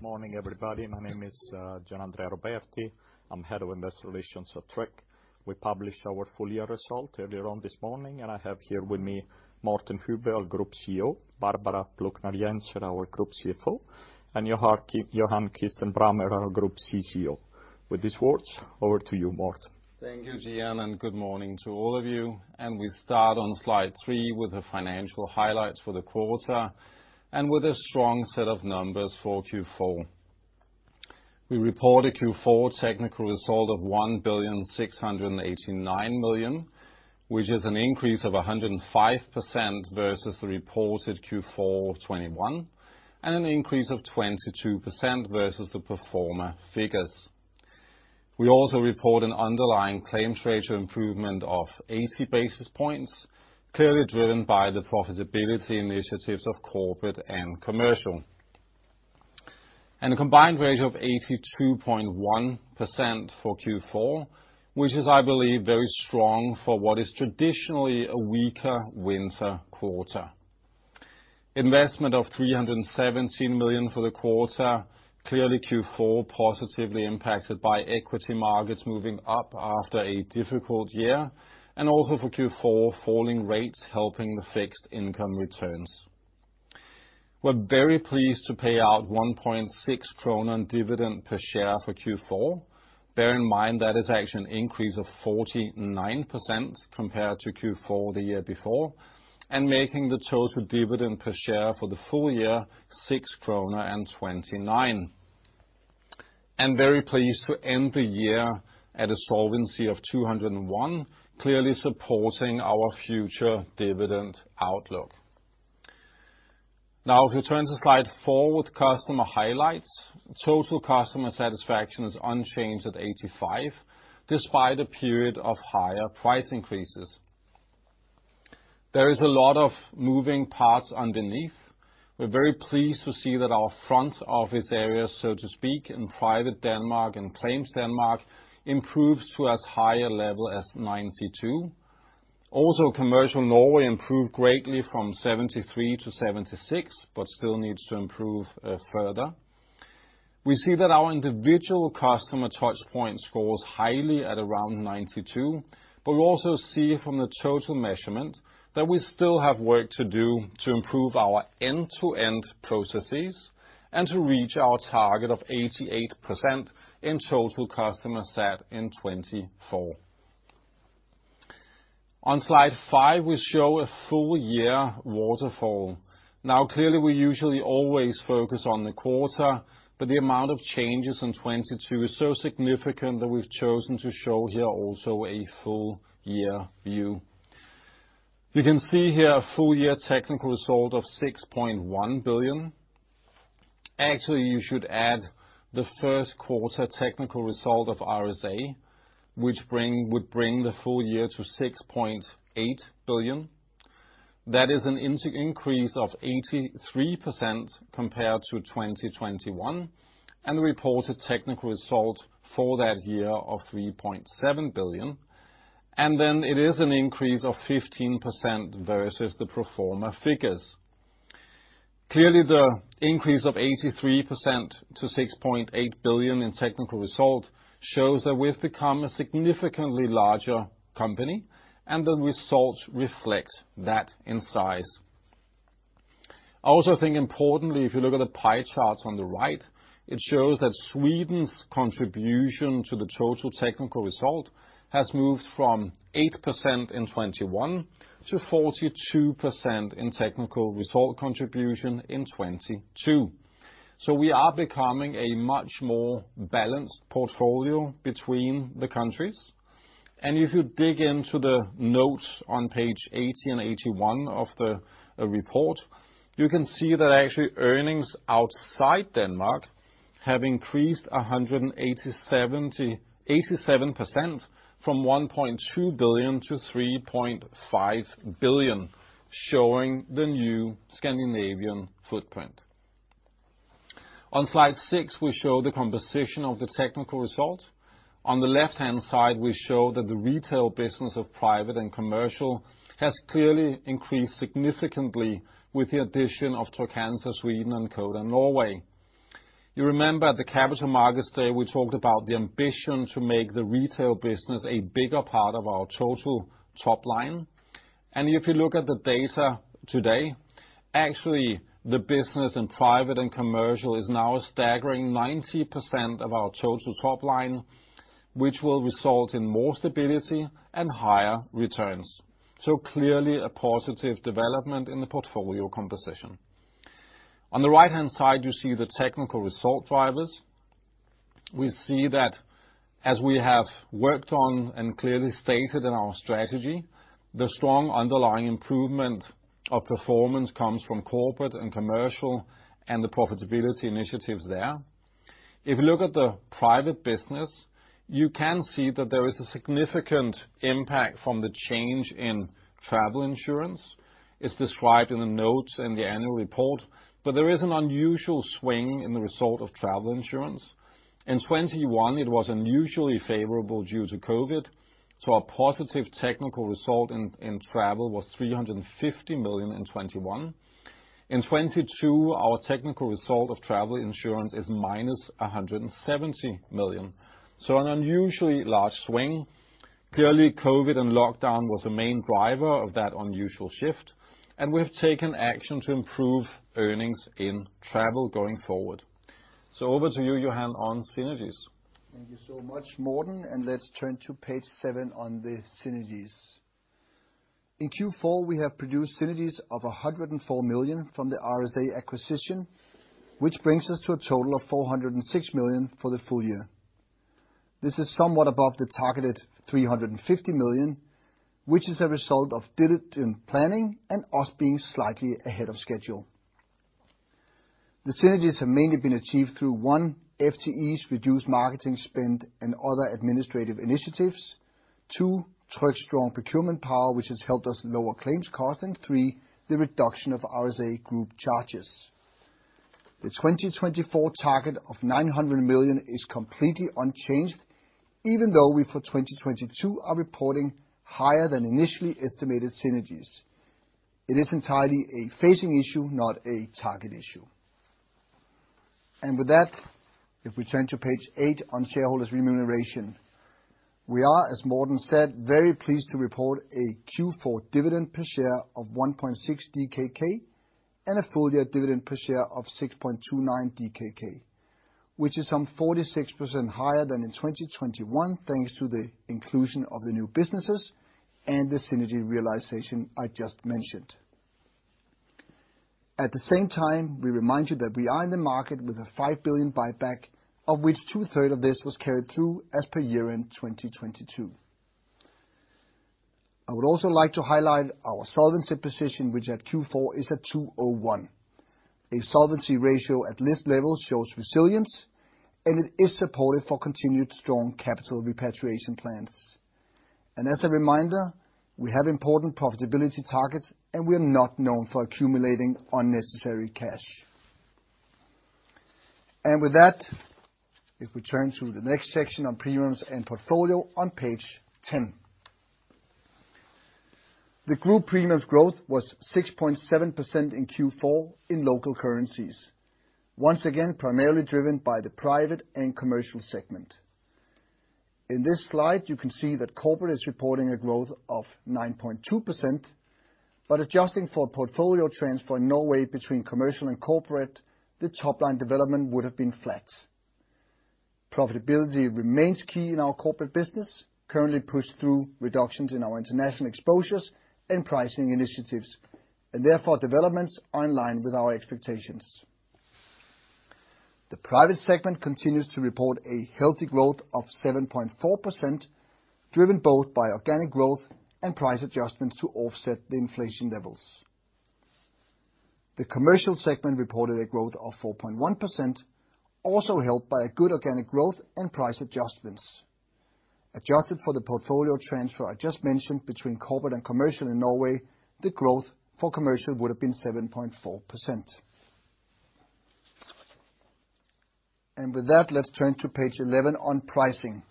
Good morning, everybody. My name is Gianandrea Roberti. I'm Head of Investor Relations at Tryg. We published our full year results earlier on this morning, and I have here with me Morten Hübbe, our Group CEO, Barbara Plucnar Jensen, our Group CFO, and Johan Kirstein Brammer, our Group CCO. With these words, over to you, Morten. Thank you, Gian, and good morning to all of you. We start on slide three with the financial highlights for the quarter and with a strong set of numbers for Q4. We report a Q4 technical result of 1,689 million, which is an increase of 105% versus the reported Q4 of 2021, and an increase of 22% versus the pro forma figures. We also report an underlying claims ratio improvement of 80 basis points, clearly driven by the profitability initiatives of corporate and commercial. A combined ratio of 82.1% for Q4, which is, I believe, very strong for what is traditionally a weaker winter quarter. Investment of 317 million for the quarter. Clearly Q4 positively impacted by equity markets moving up after a difficult year, also for Q4, falling rates helping the fixed income returns. We're very pleased to pay out 1.6 in dividend per share for Q4. Bear in mind, that is actually an increase of 49% compared to Q4 the year before, making the total dividend per share for the full year 6.29 kroner. Very pleased to end the year at a solvency of 201, clearly supporting our future dividend outlook. If you turn to slide four with customer highlights, total customer satisfaction is unchanged at 85, despite a period of higher price increases. There is a lot of moving parts underneath. We're very pleased to see that our front office area, so to speak, in private Denmark and claims Denmark improves to as high a level as 92%. Commercial Norway improved greatly from 73%-76,% but still needs to improve further. We see that our individual customer touch point scores highly at around 92%, but we also see from the total measurement that we still have work to do to improve our end-to-end processes and to reach our target of 88% in total customer sat in 2024. On slide five, we show a full year waterfall. Clearly we usually always focus on the quarter, but the amount of changes in 2022 is so significant that we've chosen to show here also a full year view. You can see here a full year technical result of 6.1 billion. Actually, you should add the first quarter technical result of RSA, which would bring the full year to 6.8 billion. That is an increase of 83% compared to 2021, and the reported technical result for that year of 3.7 billion. It is an increase of 15% versus the pro forma figures. Clearly the increase of 83% to 6.8 billion in technical result shows that we've become a significantly larger company, and the results reflect that in size. I also think importantly, if you look at the pie charts on the right, it shows that Sweden's contribution to the total technical result has moved from 8% in 2021 to 42% in technical result contribution in 2022. We are becoming a much more balanced portfolio between the countries. If you dig into the notes on page 80 and 81 of the report, you can see that actually earnings outside Denmark have increased 187% from 1.2 billion to 3.5 billion, showing the new Scandinavian footprint. On Slide six, we show the composition of the technical result. On the left-hand side, we show that the retail business of private and commercial has clearly increased significantly with the addition of Trygg-Hansa Sweden and Codan Norway. You remember at the Capital Markets Day, we talked about the ambition to make the retail business a bigger part of our total top line. If you look at the data today, actually the business in private and commercial is now a staggering 90% of our total top line, which will result in more stability and higher returns. Clearly a positive development in the portfolio composition. On the right-hand side, you see the technical result drivers. We see that as we have worked on and clearly stated in our strategy, the strong underlying improvement of performance comes from corporate and commercial and the profitability initiatives there. If you look at the private business. You can see that there is a significant impact from the change in travel insurance. It's described in the notes in the annual report, but there is an unusual swing in the result of travel insurance. In 2021 it was unusually favorable due to COVID, our positive technical result in travel was 350 million in 2021. In 2022, our technical result of travel insurance is -170 million. An unusually large swing. Clearly COVID and lockdown was the main driver of that unusual shift, and we have taken action to improve earnings in travel going forward. Over to you, Johan, on synergies. Thank you so much, Morten. Let's turn to page 7 on the synergies. In Q4, we have produced synergies of 104 million from the RSA acquisition, which brings us to a total of 406 million for the full year. This is somewhat above the targeted 350 million, which is a result of diligent planning and us being slightly ahead of schedule. The synergies have mainly been achieved through: One, FTEs, reduced marketing spend, and other administrative initiatives. Two, Tryg's strong procurement power, which has helped us lower claims costs. Three, the reduction of RSA group charges. The 2024 target of 900 million is completely unchanged, even though we for 2022 are reporting higher than initially estimated synergies. It is entirely a phasing issue, not a target issue. With that, if we turn to page 8 on shareholders' remuneration. We are, as Morten said, very pleased to report a Q4 dividend per share of 1.6 DKK, and a full year dividend per share of 6.29 DKK, which is some 46% higher than in 2021 thanks to the inclusion of the new businesses and the synergy realization I just mentioned. At the same time, we remind you that we are in the market with a 5 billion buyback, of which two-third of this was carried through as per year-end 2022. I would also like to highlight our solvency position, which at Q4 is at 201. A solvency ratio at this level shows resilience, and it is supportive for continued strong capital repatriation plans. As a reminder, we have important profitability targets, and we are not known for accumulating unnecessary cash. With that, if we turn to the next section on premiums and portfolio on page 10. The group premiums growth was 6.7% in Q4 in local currencies, once again, primarily driven by the private and commercial segment. In this slide, you can see that corporate is reporting a growth of 9.2%, but adjusting for portfolio transfer in Norway between commercial and corporate, the top line development would have been flat. Profitability remains key in our corporate business, currently pushed through reductions in our international exposures and pricing initiatives, and therefore developments are in line with our expectations. The private segment continues to report a healthy growth of 7.4%, driven both by organic growth and price adjustments to offset the inflation levels. The commercial segment reported a growth of 4.1%, also helped by a good organic growth and price adjustments. Adjusted for the portfolio transfer I just mentioned between corporate and commercial in Norway, the growth for commercial would have been 7.4%. With that, let's turn to page 11 on pricing.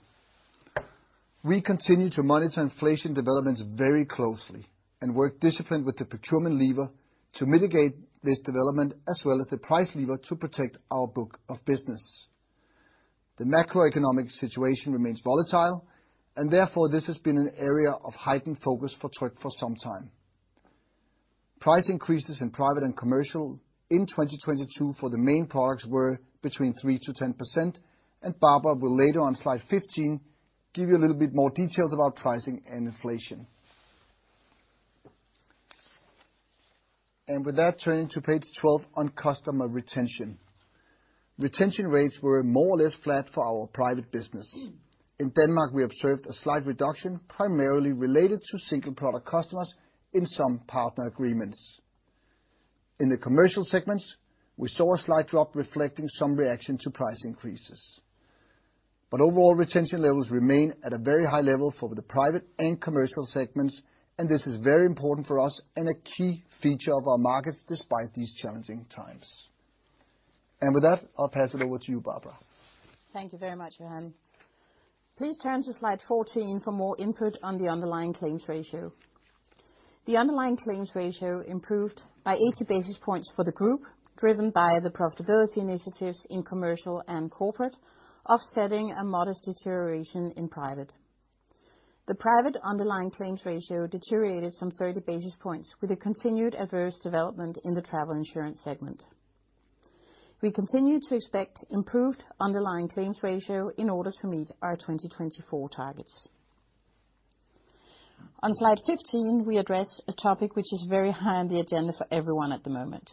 We continue to monitor inflation developments very closely and work disciplined with the procurement lever to mitigate this development as well as the price lever to protect our book of business. The macroeconomic situation remains volatile, and therefore this has been an area of heightened focus for Tryg for some time. Price increases in private and commercial in 2022 for the main products were between 3%-10%, and Barbara will later on slide 15 give you a little bit more details about pricing and inflation. Turning to page 12 on customer retention. Retention rates were more or less flat for our private business. In Denmark, we observed a slight reduction primarily related to single product customers in some partner agreements. In the commercial segments, we saw a slight drop reflecting some reaction to price increases. Overall retention levels remain at a very high level for the private and commercial segments, and this is very important for us and a key feature of our markets despite these challenging times. I'll pass it over to you, Barbara. Thank you very much, Johan. Please turn to slide 14 for more input on the underlying claims ratio. The underlying claims ratio improved by 80 basis points for the group, driven by the profitability initiatives in commercial and corporate, offsetting a modest deterioration in private. The private underlying claims ratio deteriorated some 30 basis points with a continued adverse development in the travel insurance segment. We continue to expect improved underlying claims ratio in order to meet our 2024 targets. On slide 15, we address a topic which is very high on the agenda for everyone at the moment.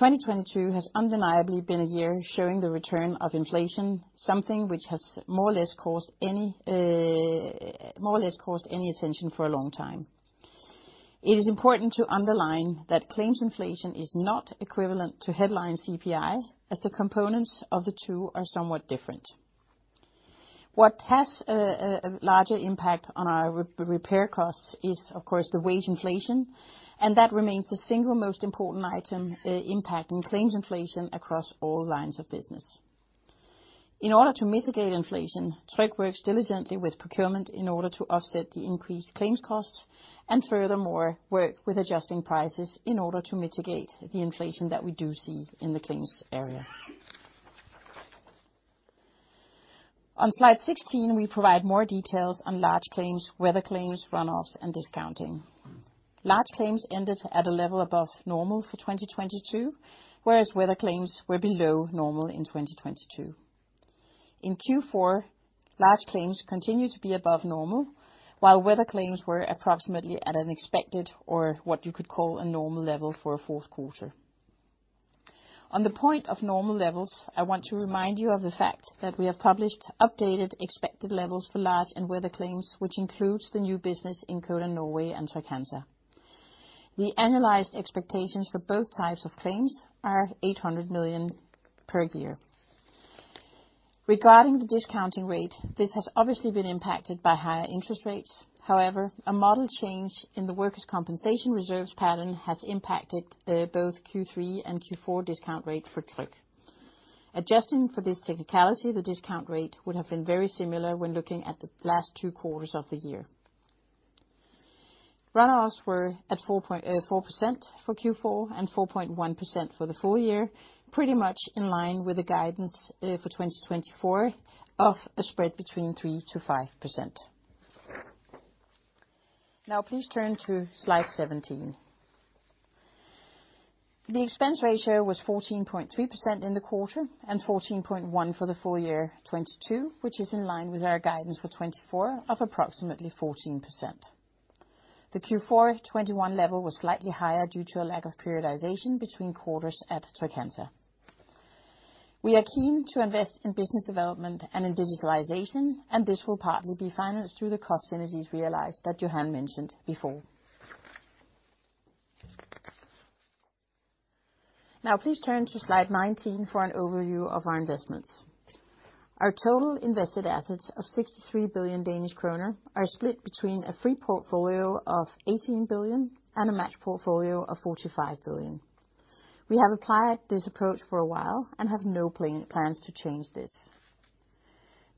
2022 has undeniably been a year showing the return of inflation, something which has more or less caused any attention for a long time. It is important to underline that claims inflation is not equivalent to headline CPI, as the components of the two are somewhat different. What has a larger impact on our re-repair costs is, of course, the wage inflation, and that remains the single most important item impacting claims inflation across all lines of business. In order to mitigate inflation, Tryg works diligently with procurement in order to offset the increased claims costs, and furthermore work with adjusting prices in order to mitigate the inflation that we do see in the claims area. On slide 16, we provide more details on large claims, weather claims, run-offs, and discounting. Large claims ended at a level above normal for 2022, whereas weather claims were below normal in 2022. In Q4, large claims continued to be above normal, while weather claims were approximately at an expected, or what you could call a normal level for a 4th quarter. On the point of normal levels, I want to remind you of the fact that we have published updated expected levels for large and weather claims, which includes the new business in Codan Norway and Trygg-Hansa. The analyzed expectations for both types of claims are 800 million per year. Regarding the discounting rate, this has obviously been impacted by higher interest rates. However, a model change in the workers' compensation reserves pattern has impacted both Q3 and Q4 discount rate for Tryg. Adjusting for this technicality, the discount rate would have been very similar when looking at the last 2 quarters of the year. Run-offs were at 4.4% for Q4 and 4.1% for the full year, pretty much in line with the guidance for 2024 of a spread between 3%-5%. Please turn to slide 17. The expense ratio was 14.3% in the quarter and 14.1% for the full year 2022, which is in line with our guidance for 2024 of approximately 14%. The Q4 2021 level was slightly higher due to a lack of periodization between quarters at Trygg-Hansa. We are keen to invest in business development and in digitalization, and this will partly be financed through the cost synergies realized that Johan mentioned before. Now please turn to slide 19 for an overview of our investments. Our total invested assets of 63 billion Danish kroner are split between a free portfolio of 18 billion and a matched portfolio of 45 billion. We have applied this approach for a while and have no plans to change this.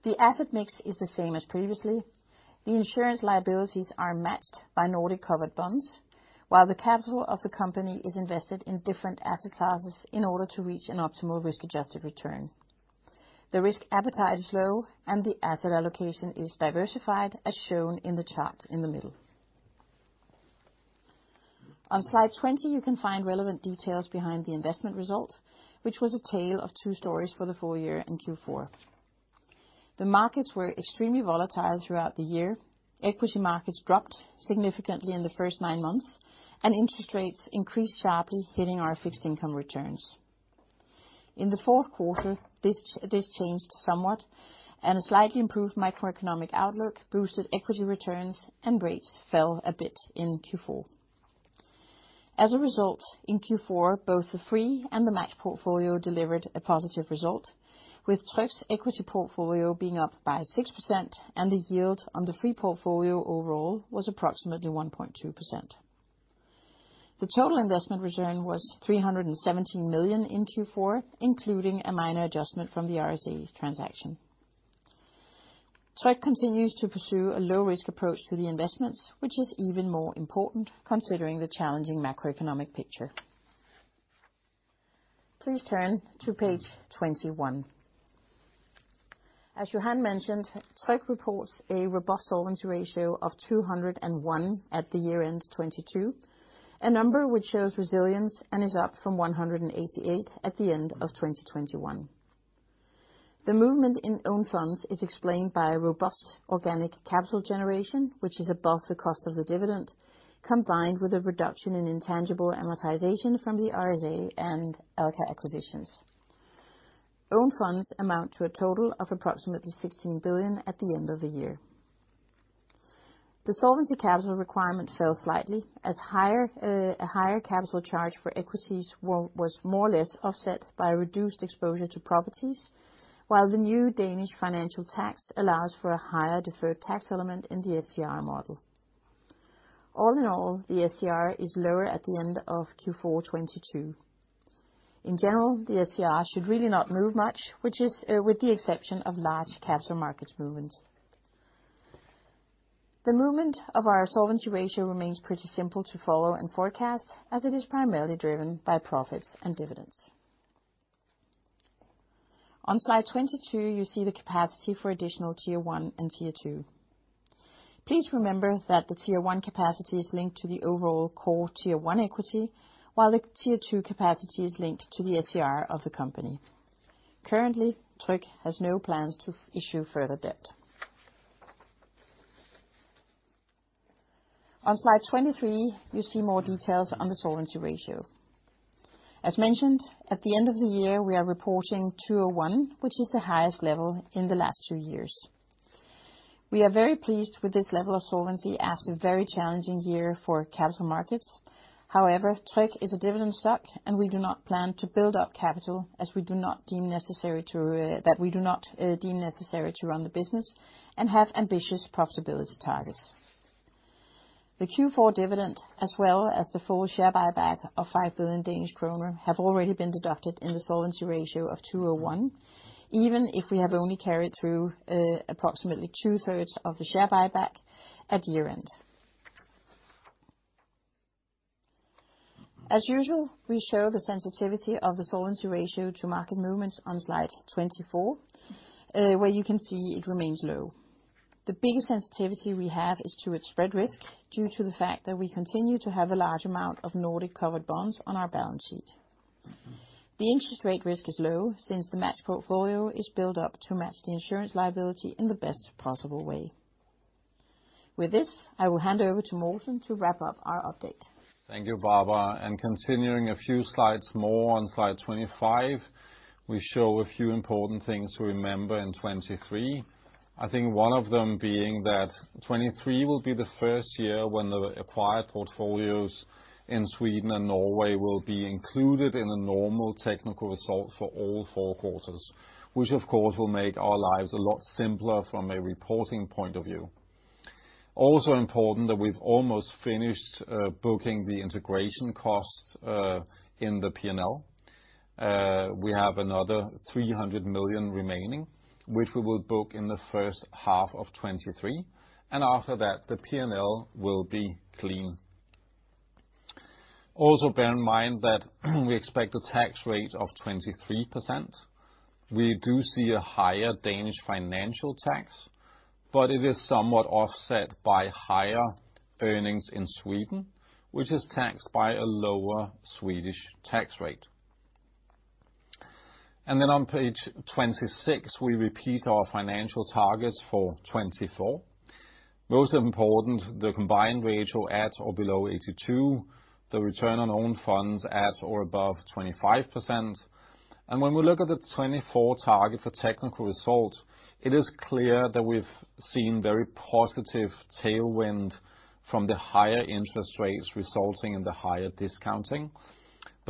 The asset mix is the same as previously. The insurance liabilities are matched by Nordic covered bonds, while the capital of the company is invested in different asset classes in order to reach an optimal risk-adjusted return. The risk appetite is low, and the asset allocation is diversified, as shown in the chart in the middle. On slide 20, you can find relevant details behind the investment result, which was a tale of two stories for the full year in Q4. The markets were extremely volatile throughout the year. Equity markets dropped significantly in the first nine months, interest rates increased sharply, hitting our fixed income returns. In the Q4, this changed somewhat, a slightly improved macroeconomic outlook boosted equity returns and rates fell a bit in Q4. As a result, in Q4, both the free and the matched portfolio delivered a positive result, with Tryg's equity portfolio being up by 6%, the yield on the free portfolio overall was approximately 1.2%. The total investment return was 317 million in Q4, including a minor adjustment from the RSA transaction. Tryg continues to pursue a low-risk approach to the investments, which is even more important considering the challenging macroeconomic picture. Please turn to page 21. As Johan mentioned, Tryg reports a robust solvency ratio of 201% at the year-end 2022, a number which shows resilience and is up from 188% at the end of 2021. The movement in own funds is explained by a robust organic capital generation, which is above the cost of the dividend, combined with a reduction in intangible amortization from the RSA and Alka acquisitions. Own funds amount to a total of approximately 16 billion at the end of the year. The solvency capital requirement fell slightly as a higher capital charge for equities was more or less offset by reduced exposure to properties, while the new Danish financial tax allows for a higher deferred tax element in the SCR model. All in all, the SCR is lower at the end of Q4 2022. In general, the SCR should really not move much, which is, with the exception of large capital markets movement. The movement of our solvency ratio remains pretty simple to follow and forecast as it is primarily driven by profits and dividends. On slide 22, you see the capacity for additional Tier I and Tier II. Please remember that the Tier I capacity is linked to the overall Core Tier 1 equity, while the Tier II capacity is linked to the SCR of the company. Currently, Tryg has no plans to issue further debt. On slide 23, you see more details on the solvency ratio. As mentioned, at the end of the year, we are reporting 201, which is the highest level in the last two years. We are very pleased with this level of solvency after a very challenging year for capital markets. Tryg is a dividend stock, we do not plan to build up capital, that we do not deem necessary to run the business and have ambitious profitability targets. The Q4 dividend as well as the full share buyback of 5 billion Danish kroner have already been deducted in the solvency ratio of 201, even if we have only carried through approximately 2/3 of the share buyback at year-end. As usual, we show the sensitivity of the solvency ratio to market movements on slide 24, where you can see it remains low. The biggest sensitivity we have is to its spread risk due to the fact that we continue to have a large amount of Nordic covered bonds on our balance sheet. The interest rate risk is low since the match portfolio is built up to match the insurance liability in the best possible way. With this, I will hand over to Morten to wrap up our update. Thank you, Barbara. Continuing a few slides more on slide 25, we show a few important things to remember in 2023. I think one of them being that 2023 will be the first year when the acquired portfolios in Sweden and Norway will be included in a normal technical result for all four quarters, which of course will make our lives a lot simpler from a reporting point of view. Also important that we've almost finished booking the integration costs in the P&L. We have another 300 million remaining, which we will book in the H1 of 2023, and after that, the P&L will be clean. Also bear in mind that we expect a tax rate of 23%. We do see a higher Danish financial tax, but it is somewhat offset by higher earnings in Sweden, which is taxed by a lower Swedish tax rate. Then on page 26, we repeat our financial targets for 2024. Most important, the combined ratio at or below 82, the return on own funds at or above 25%. When we look at the 2024 target for technical result, it is clear that we've seen very positive tailwind from the higher interest rates resulting in the higher discounting.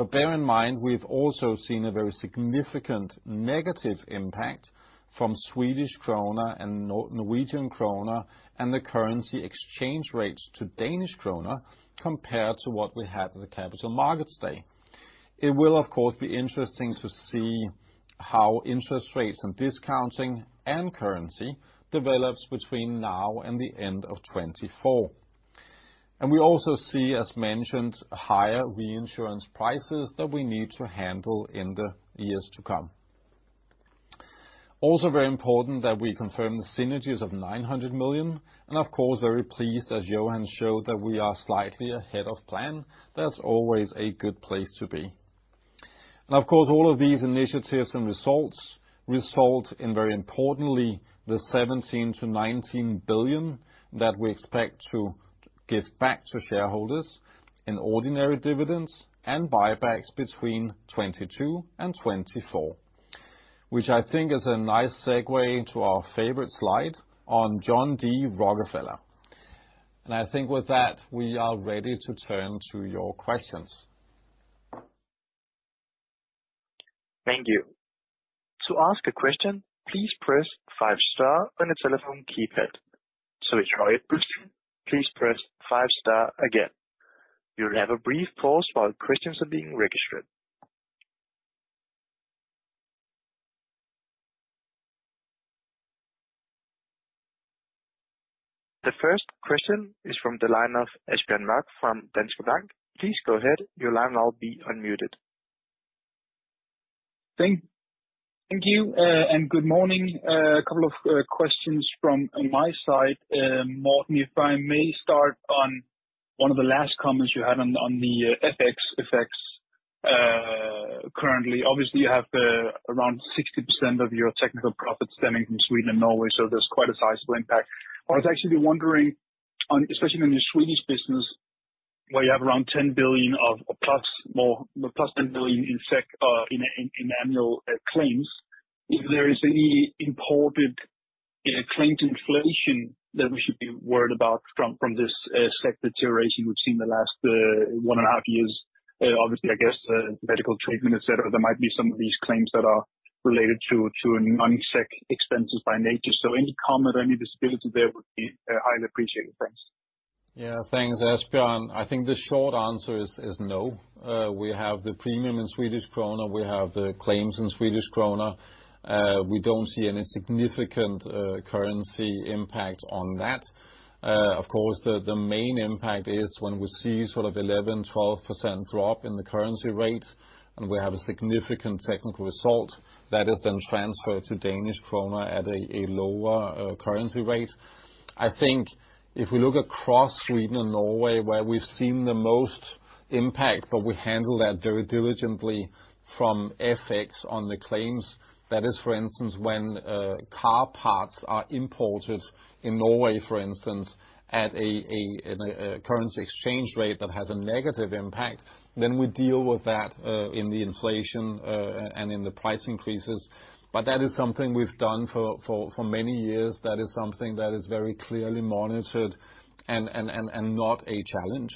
Bear in mind, we've also seen a very significant negative impact from Swedish krona and Norwegian krona and the currency exchange rates to Danish krona compared to what we had at the Capital Markets Day. It will, of course, be interesting to see how interest rates and discounting and currency develops between now and the end of 2024. We also see, as mentioned, higher reinsurance prices that we need to handle in the years to come. Also very important that we confirm the synergies of 900 million, and of course, very pleased as Johan Kirstein Brammer showed that we are slightly ahead of plan. That's always a good place to be. Of course, all of these initiatives and results result in very importantly, the 17 billion-19 billion that we expect to give back to shareholders in ordinary dividends and buybacks between 2022 and 2024, which I think is a nice segue to our favorite slide on John D. Rockefeller. I think with that, we are ready to turn to your questions. Thank you. To ask a question, please press 5 star on your telephone keypad. To withdraw your question, please press 5 star again. You'll have a brief pause while questions are being registered. The first question is from the line of Asbjørn Mørk from Danske Bank. Please go ahead. Your line will now be unmuted. Thank you, good morning. A couple of questions from my side. Morten, if I may start on one of the last comments you had on the FX, effects currently. Obviously, you have around 60% of your technical profits stemming from Sweden and Norway, there's quite a sizable impact. I was actually wondering on, especially on the Swedish business, where you have around +10 billion in annual claims, if there is any imported in a claimed inflation that we should be worried about from this SEK deterioration we've seen in the last 1.5 years. Obviously, I guess, medical treatment, et cetera, there might be some of these claims that are related to non-expenses by nature. Any comment or any visibility there would be, highly appreciated. Thanks. Yeah. Thanks, Asbjørn. I think the short answer is no. We have the premium in Swedish krona. We have the claims in Swedish krona. We don't see any significant currency impact on that. Of course, the main impact is when we see 11%-12% drop in the currency rate, and we have a significant technical result that is then transferred to Danish krona at a lower currency rate. I think if we look across Sweden and Norway, where we've seen the most impact, but we handle that very diligently from FX on the claims. That is, for instance, when car parts are imported in Norway, for instance, at a currency exchange rate that has a negative impact, then we deal with that in the inflation and in the price increases. That is something we've done for many years. That is something that is very clearly monitored and not a challenge.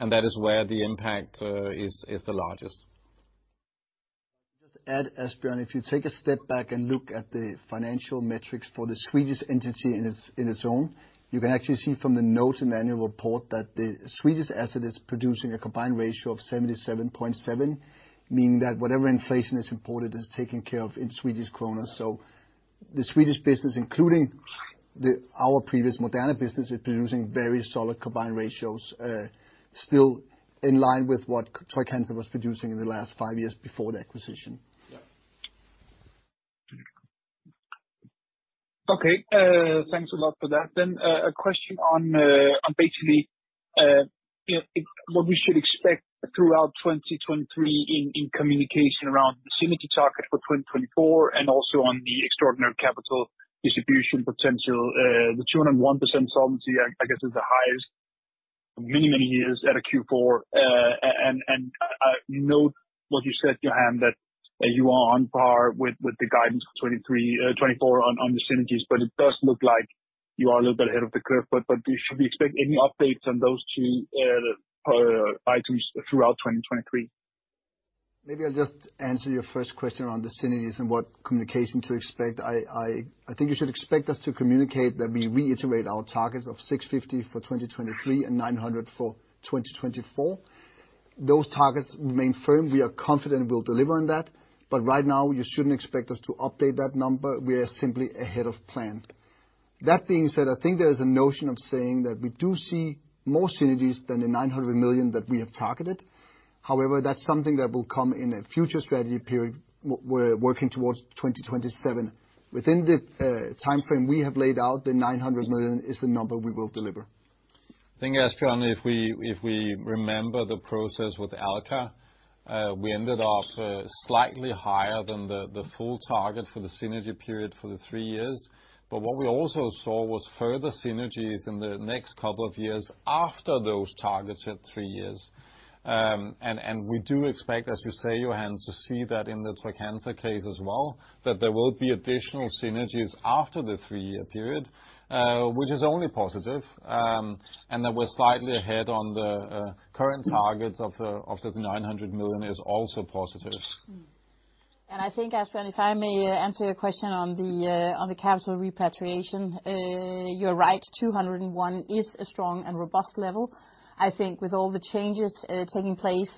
That is where the impact is the largest. Just add, Asbjørn, if you take a step back and look at the financial metrics for the Swedish entity in its own, you can actually see from the notes in the annual report that the Swedish asset is producing a combined ratio of 77.7, meaning that whatever inflation is imported is taken care of in Swedish krona. The Swedish business, including our previous Moderna business, is producing very solid combined ratios, still in line with what Trygg-Hansa was producing in the last 5 years before the acquisition. Okay. Thanks a lot for that. A question on basically, you know, what we should expect throughout 2023 in communication around the synergy target for 2024, and also on the extraordinary capital distribution potential. The 201% solvency, I guess is the highest in many, many years at a Q4. I note what you said, Johan, that you are on par with the guidance for 2023, 2024 on the synergies, but it does look like you are a little bit ahead of the curve. Should we expect any updates on those two items throughout 2023? Maybe I'll just answer your first question around the synergies and what communication to expect. I think you should expect us to communicate that we reiterate our targets of 650 for 2023 and 900 for 2024. Those targets remain firm. We are confident we'll deliver on that. Right now, you shouldn't expect us to update that number. We are simply ahead of plan. That being said, I think there is a notion of saying that we do see more synergies than the 900 million that we have targeted. That's something that will come in a future strategy period we're working towards 2027. Within the timeframe we have laid out, the 900 million is the number we will deliver. I think, Asbjørn, if we remember the process with Alka, we ended off slightly higher than the full target for the synergy period for the 3 years. What we also saw was further synergies in the next couple of years after those targets at 3 years. We do expect, as you say, Johan, to see that in the Trygg-Hansa case as well, that there will be additional synergies after the 3-year period, which is only positive. That we're slightly ahead on the current targets of the 900 million is also positive. I think, Asbjørn, if I may answer your question on the on the capital repatriation, you're right, 201 is a strong and robust level. I think with all the changes taking place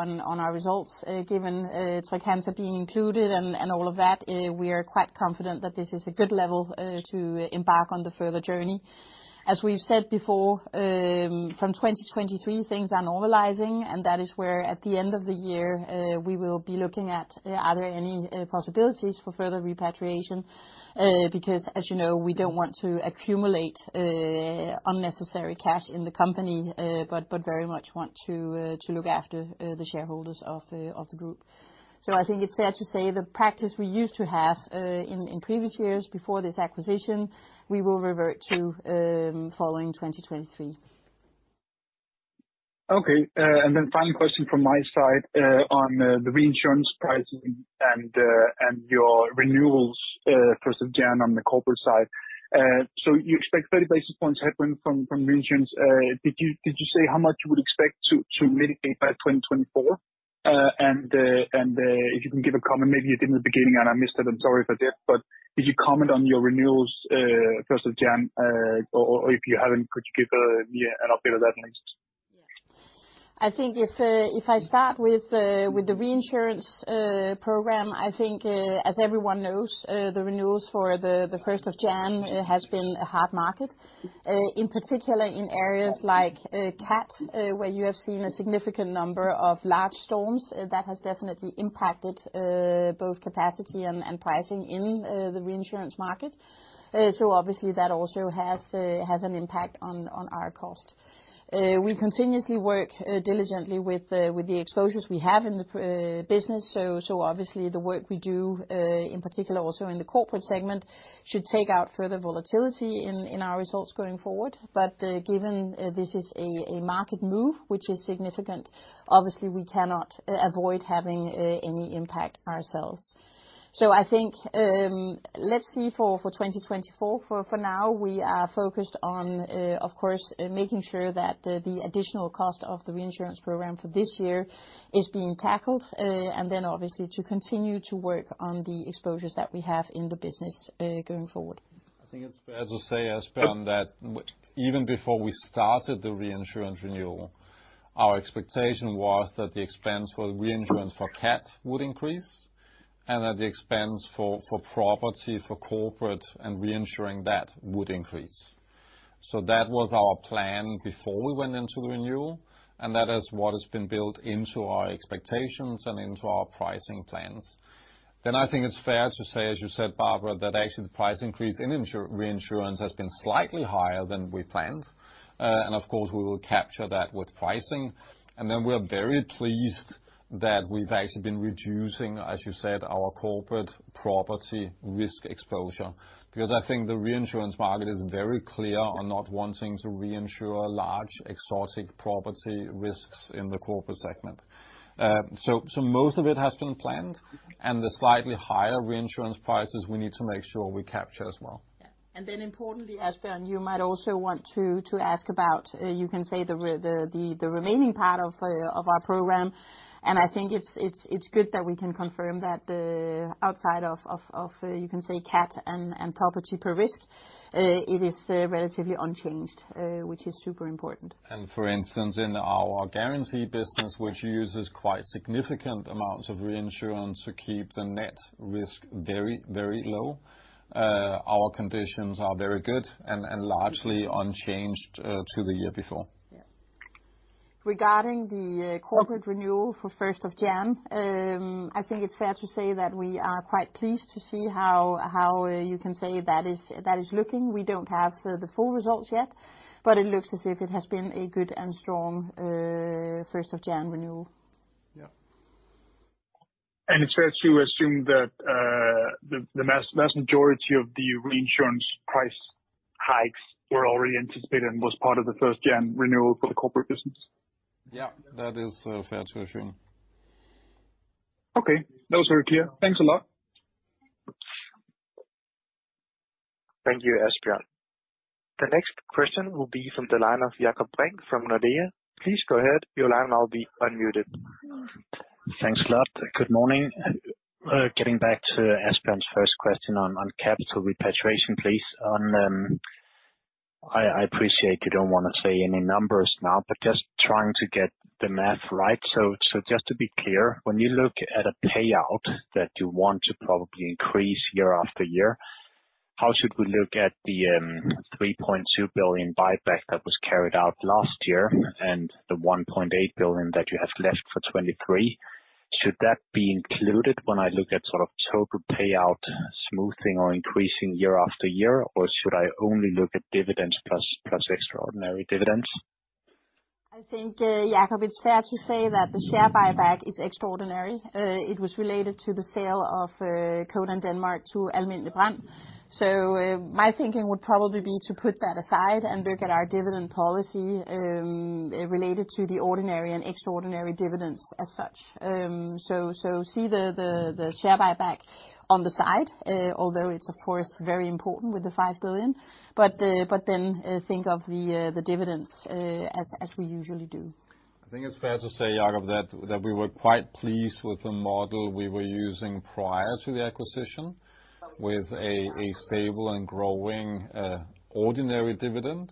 on on our results, given Trygg-Hansa being included and all of that, we are quite confident that this is a good level to embark on the further journey. As we've said before, from 2023, things are normalizing, and that is where at the end of the year, we will be looking at are there any possibilities for further repatriation? As you know, we don't want to accumulate unnecessary cash in the company, but very much want to to look after the shareholders of the group. I think it's fair to say the practice we used to have, in previous years before this acquisition, we will revert to, following 2023. Okay. Then final question from my side on the reinsurance pricing and your renewals 1st of January on the corporate side. You expect 30 basis points headwind from reinsurance. Did you say how much you would expect to mitigate by 2024? If you can give a comment, maybe you did in the beginning and I missed it, I'm sorry if I did. Could you comment on your renewals 1st of January or if you haven't, could you give an update of that at least? I think if I start with the reinsurance program, I think as everyone knows, the renewals for the 1st of January has been a hard market. In particular, in areas like CAT, where you have seen a significant number of large storms, that has definitely impacted both capacity and pricing in the reinsurance market. Obviously that also has an impact on our cost. We continuously work diligently with the exposures we have in the business. Obviously the work we do in particular also in the corporate segment, should take out further volatility in our results going forward. Given this is a market move which is significant, obviously we cannot avoid having any impact ourselves. I think, let's see for 2024. For now we are focused on, of course, making sure that the additional cost of the reinsurance program for this year is being tackled, and then obviously to continue to work on the exposures that we have in the business, going forward. I think it's fair to say, Asbjørn, that even before we started the reinsurance renewal, our expectation was that the expense for reinsurance for CAT would increase, and that the expense for property, for corporate and reinsuring that would increase. That was our plan before we went into the renewal, and that is what has been built into our expectations and into our pricing plans. I think it's fair to say, as you said, Barbara, that actually the price increase in reinsurance has been slightly higher than we planned. Of course, we will capture that with pricing. We're very pleased that we've actually been reducing, as you said, our corporate property risk exposure. I think the reinsurance market is very clear on not wanting to reinsure large exotic property risks in the corporate segment. Most of it has been planned, and the slightly higher reinsurance prices we need to make sure we capture as well. Importantly, Asbjørn, you might also want to ask about, you can say the remaining part of our program. I think it's good that we can confirm that, outside of, you can say CAT and property per risk, it is relatively unchanged, which is super important. For instance, in our guarantee business, which uses quite significant amounts of reinsurance to keep the net risk very low, our conditions are very good and largely unchanged to the year before. Yeah. Regarding the corporate renewal for 1st of January, I think it's fair to say that we are quite pleased to see how you can say that is looking. We don't have the full results yet, but it looks as if it has been a good and strong 1st of January renewal. Yeah. It's fair to assume that, the vast majority of the reinsurance price hikes were already anticipated and was part of the 1st January renewal for the corporate business? Yeah, that is fair to assume. That was very clear. Thanks a lot. Thank you, Asbjørn. The next question will be from the line of Jakob Brink from Nordea. Please go ahead. Your line now will be unmuted. Thanks a lot. Good morning. Getting back to Asbjørn's first question on capital repatriation, please. I appreciate you don't want to say any numbers now, but just trying to get the math right. Just to be clear, when you look at a payout that you want to probably increase year after year, how should we look at the 3.2 billion buyback that was carried out last year and the 1.8 billion that you have left for 2023? Should that be included when I look at total payout smoothing or increasing year after year? Or should I only look at dividends plus extraordinary dividends? I think, Jakob, it's fair to say that the share buyback is extraordinary. It was related to the sale of Codan Denmark to Alm. Brand. My thinking would probably be to put that aside and look at our dividend policy, related to the ordinary and extraordinary dividends as such. See the share buyback on the side, although it's of course, very important with the 5 billion, then think of the dividends as we usually do. I think it's fair to say, Jakob, that we were quite pleased with the model we were using prior to the acquisition, with a stable and growing ordinary dividend,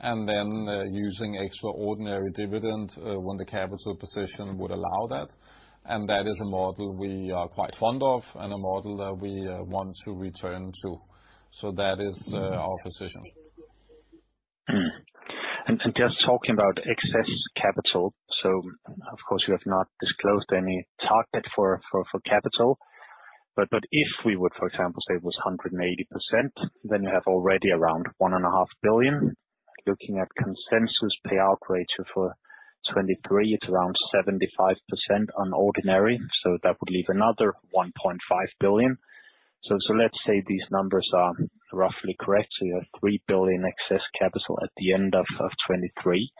and then using extraordinary dividend when the capital position would allow that. That is a model we are quite fond of and a model that we want to return to. That is our position. Just talking about excess capital. Of course, you have not disclosed any target for capital, but if we would, for example, say it was 180%, then you have already around 1.5 billion. Looking at consensus payout ratio for 2023, it's around 75% on ordinary, so that would leave another 1.5 billion. Let's say these numbers are roughly correct, so you have 3 billion excess capital at the end of 2023.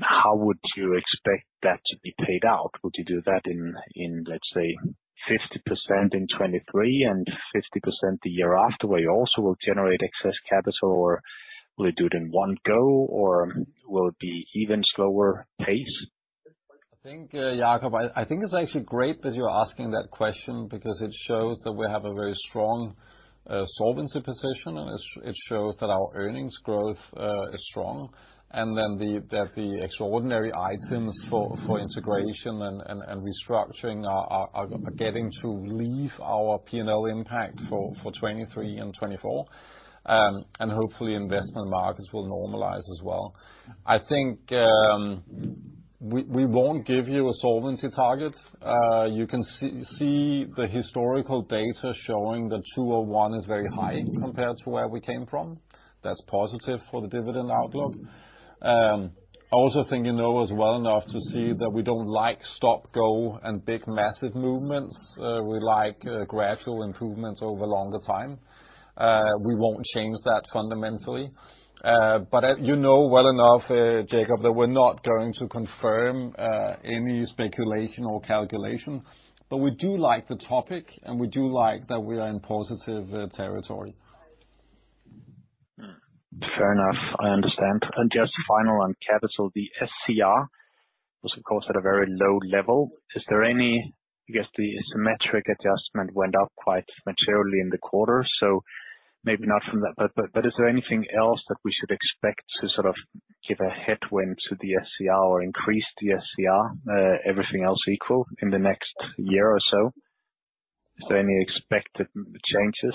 How would you expect that to be paid out? Would you do that in, let's say 50% in 2023 and 50% the year after, where you also will generate excess capital, or will you do it in one go, or will it be even slower pace? I think, Jakob, I think it's actually great that you're asking that question because it shows that we have a very strong solvency position, and it shows that our earnings growth is strong. That the extraordinary items for integration and restructuring are getting to leave our P&L impact for 2023 and 2024. Hopefully investment markets will normalize as well. I think we won't give you a solvency target. You can see the historical data showing that 201 is very high compared to where we came from. That's positive for the dividend outlook. I also think you know us well enough to see that we don't like stop, go, and big, massive movements. We like gradual improvements over longer time. We won't change that fundamentally. As you know well enough, Jakob, that we're not going to confirm any speculation or calculation. We do like the topic, and we do like that we are in positive territory. Fair enough. I understand. Just final on capital, the SCR was of course at a very low level. Is there any, I guess the symmetric adjustment went up quite materially in the quarter, so maybe not from that. Is there anything else that we should expect to give a headwind to the SCR or increase the SCR, everything else equal in the next year or so? Is there any expected changes?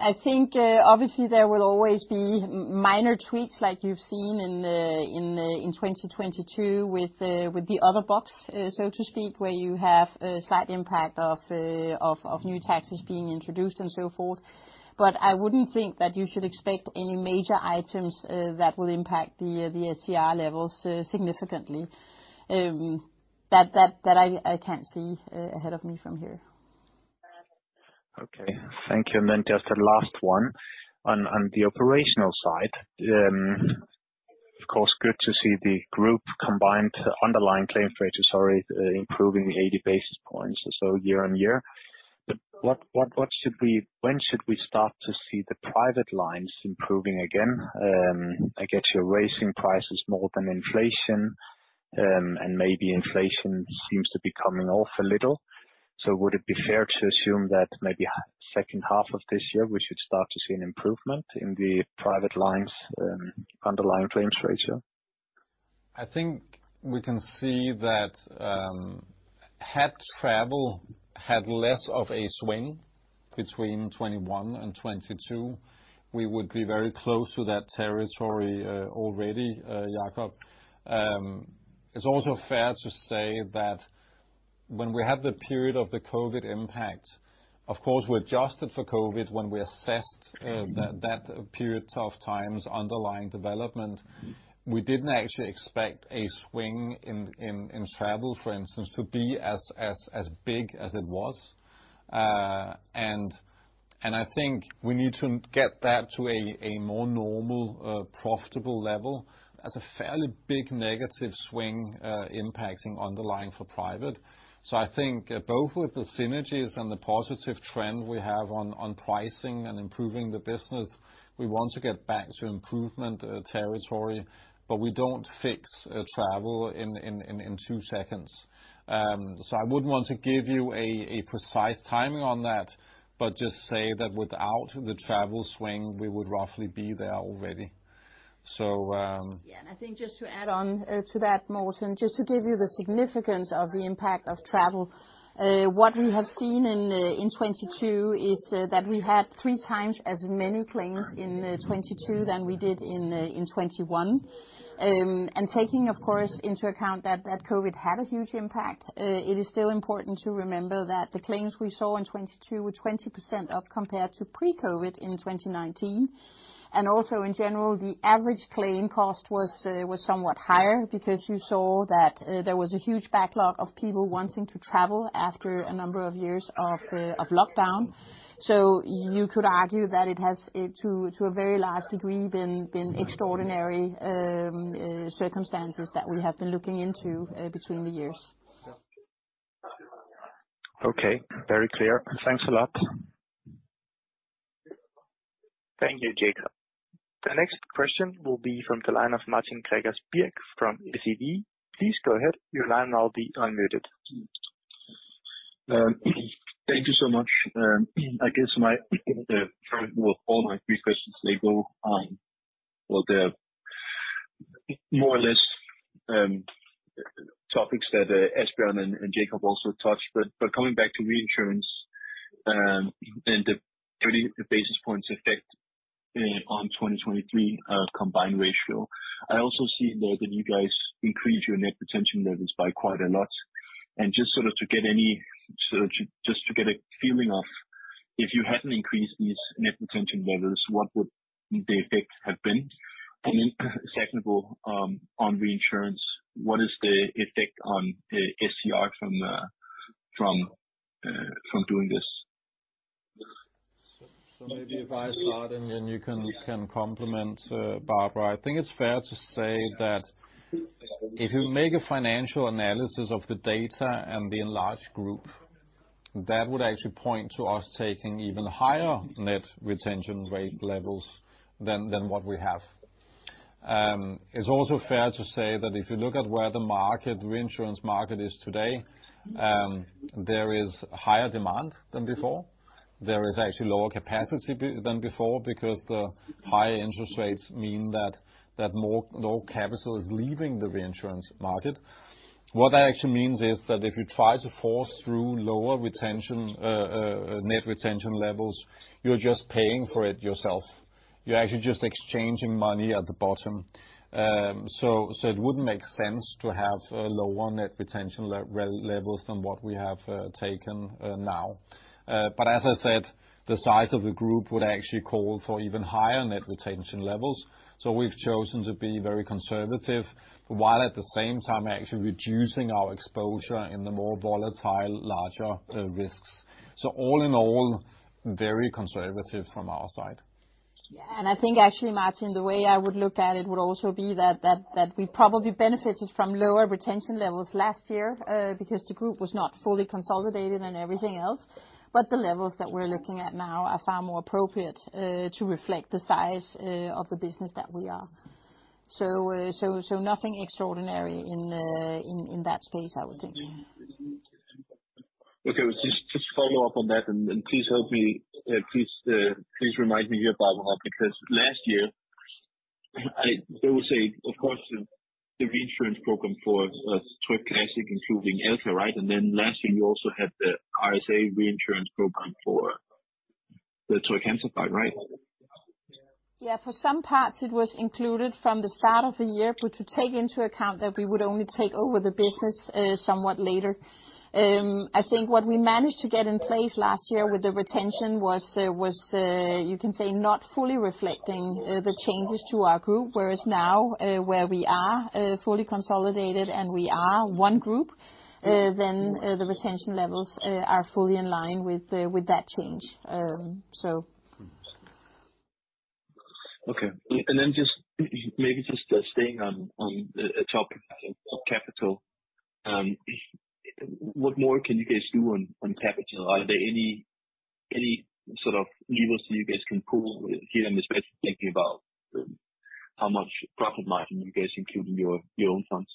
I think, obviously there will always be minor tweaks like you've seen in 2022 with the other box, so to speak, where you have a slight impact of new taxes being introduced and so forth. I wouldn't think that you should expect any major items that will impact the SCR levels significantly. That I can't see ahead of me from here. Okay. Thank you. Just a last one. On the operational side, of course, good to see the group combined underlying claims ratios are improving 80 basis points or so year-over-year. What should we when should we start to see the private lines improving again? I get you're raising prices more than inflation, maybe inflation seems to be coming off a little. Would it be fair to assume that maybe H2 of this year, we should start to see an improvement in the private lines, underlying claims ratio? I think we can see that, had travel had less of a swing between 2021 and 2022, we would be very close to that territory already, Jacob. It's also fair to say that when we had the period of the COVID impact, of course, we adjusted for COVID when we assessed that period of time's underlying development. We didn't actually expect a swing in travel, for instance, to be as big as it was. I think we need to get that to a more normal, profitable level. That's a fairly big negative swing impacting underlying for private. I think both with the synergies and the positive trend we have on pricing and improving the business, we want to get back to improvement territory, but we don't fix travel in two seconds. I wouldn't want to give you a precise timing on that, but just say that without the travel swing, we would roughly be there already. Yeah. I think just to add on to that, Morten, just to give you the significance of the impact of travel. What we have seen in 2022 is that we had 3x as many claims in 2022 than we did in 2021. Taking, of course, into account that COVID had a huge impact, it is still important to remember that the claims we saw in 2022 were 20% up compared to pre-COVID in 2019. Also in general, the average claim cost was somewhat higher because you saw that there was a huge backlog of people wanting to travel after a number of years of lockdown. You could argue that it has, to a very large degree, been extraordinary circumstances that we have been looking into between the years. Okay. Very clear. Thanks a lot. Thank you, Jacob. The next question will be from the line of Martin Gregers Birk from SEB. Please go ahead. Your line now will be unmuted. Thank you so much. I guess my all my three questions, they go on, well, the more or less, topics that Asbjørn and Jakob also touched. Coming back to reinsurance, and the 30 basis points effect on 2023 combined ratio. I also see there that you guys increased your net retention levels by quite a lot. Just to get any, just to get a feeling of if you hadn't increased these net retention levels, what would the effect have been? Second of all, on reinsurance, what is the effect on SCR from doing this? Maybe if I start, and then you can complement Barbara. I think it's fair to say that if you make a financial analysis of the data and the enlarged group, that would actually point to us taking even higher net retention rate levels than what we have. It's also fair to say that if you look at where the market, reinsurance market is today, there is higher demand than before. There is actually lower capacity than before because the high interest rates mean that more low capital is leaving the reinsurance market. What that actually means is that if you try to force through lower net retention levels, you're just paying for it yourself. You're actually just exchanging money at the bottom. It wouldn't make sense to have lower net retention levels than what we have taken now. As I said, the size of the group would actually call for even higher net retention levels. We've chosen to be very conservative, while at the same time actually reducing our exposure in the more volatile, larger risks. All in all, very conservative from our side. Yeah. I think actually, Martin, the way I would look at it would also be that we probably benefited from lower retention levels last year, because the group was not fully consolidated and everything else. The levels that we're looking at now are far more appropriate, to reflect the size of the business that we are. So nothing extraordinary in that space, I would think. Okay. Just to follow up on that, and please help me, please remind me here, Barbara, because last year, I dare say, of course, the reinsurance program for Tryg Classic, including Alka, right? Then last year you also had the RSA reinsurance program for the Tryg Insurance side, right? Yeah. For some parts, it was included from the start of the year. To take into account that we would only take over the business somewhat later. I think what we managed to get in place last year with the retention was, you can say, not fully reflecting the changes to our group. Now, where we are fully consolidated and we are one group, then the retention levels are fully in line with that change. Okay. Then just, maybe just, staying on a topic of capital. What more can you guys do on capital? Are there any levers that you guys can pull here? I'm especially thinking about how much profit margin you guys include in your own funds.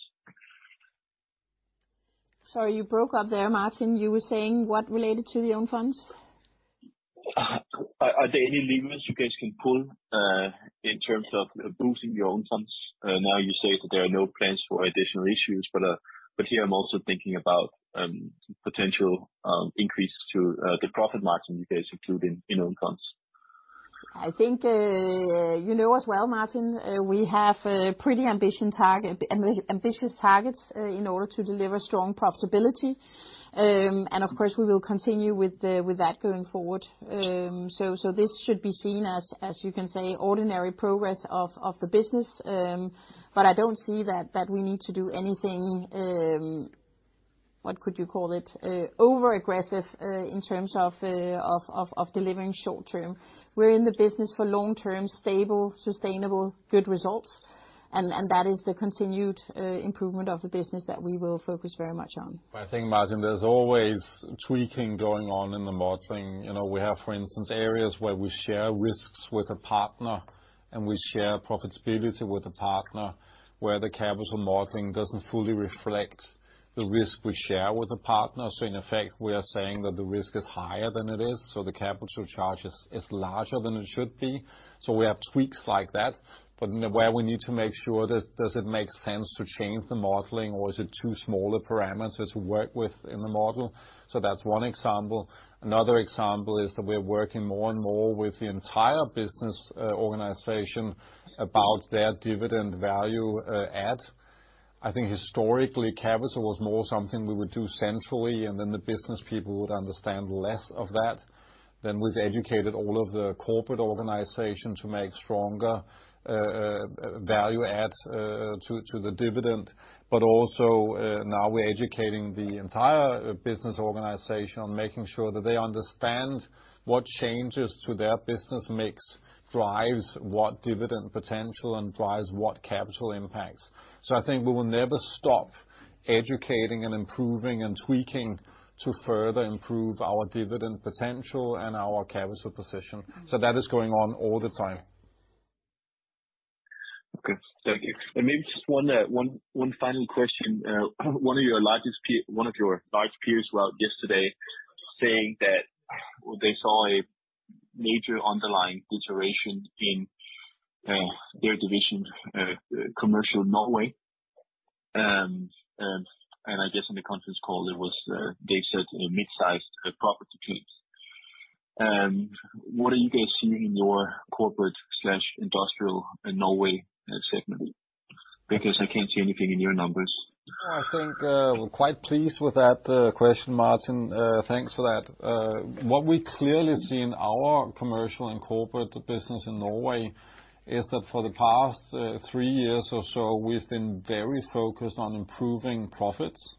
Sorry, you broke up there, Martin. You were saying what related to the own funds? Are there any levers you guys can pull, in terms of boosting your own funds? Now you say that there are no plans for additional issues, but here I'm also thinking about potential increases to the profit margin you guys include in own funds. I think, you know as well, Martin, we have a pretty ambitious targets in order to deliver strong profitability. Of course, we will continue with that going forward. This should be seen as you can say, ordinary progress of the business. I don't see that we need to do anything, what could you call it? Overaggressive in terms of delivering short term. We're in the business for long term, stable, sustainable good results. That is the continued improvement of the business that we will focus very much on. I think, Martin, there's always tweaking going on in the modeling. You know, we have, for instance, areas where we share risks with a partner, and we share profitability with a partner, where the capital modeling doesn't fully reflect the risk we share with the partner. In effect, we are saying that the risk is higher than it is, so the capital charge is larger than it should be. We have tweaks like that. Where we need to make sure does it make sense to change the modeling or is it too small a parameter to work with in the model? That's one example. Another example is that we're working more and more with the entire business organization about their dividend value add. I think historically, capital was more something we would do centrally. The business people would understand less of that. We've educated all of the corporate organization to make stronger value adds to the dividend. Also, now we're educating the entire business organization on making sure that they understand what changes to their business makes, drives what dividend potential and drives what capital impacts. I think we will never stop educating and improving and tweaking to further improve our dividend potential and our capital position. That is going on all the time. Okay. Thank you. Maybe just one final question. One of your large peers went out yesterday saying that they saw a major underlying deterioration in their division, commercial Norway. I guess in the conference call, there was they said a mid-sized property teams. What are you guys seeing in your corporate/industrial in Norway segment? Because I can't see anything in your numbers. I think we're quite pleased with that question, Martin. Thanks for that. What we clearly see in our commercial and corporate business in Norway is that for the past 3 years or so, we've been very focused on improving profits.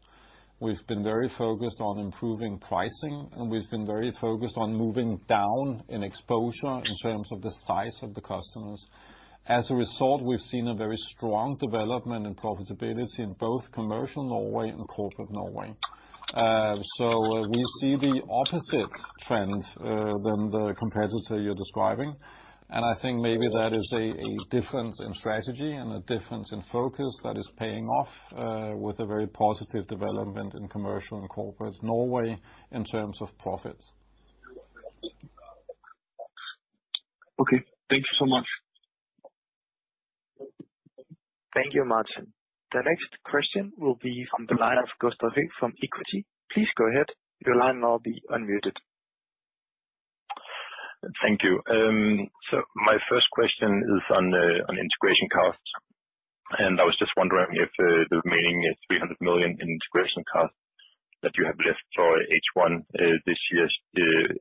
We've been very focused on improving pricing, and we've been very focused on moving down in exposure in terms of the size of the customers. As a result, we've seen a very strong development in profitability in both commercial Norway and corporate Norway. We see the opposite trend than the competitor you're describing. I think maybe that is a difference in strategy and a difference in focus that is paying off with a very positive development in commercial and corporate Norway in terms of profits. Okay. Thank you so much. Thank you, Martin. The next question will be from the line of [Gostav] from Equity. Please go ahead. Your line will now be unmuted. Thank you. My first question is on integration costs. I was just wondering if the remaining 300 million in integration costs that you have left for H1 this year,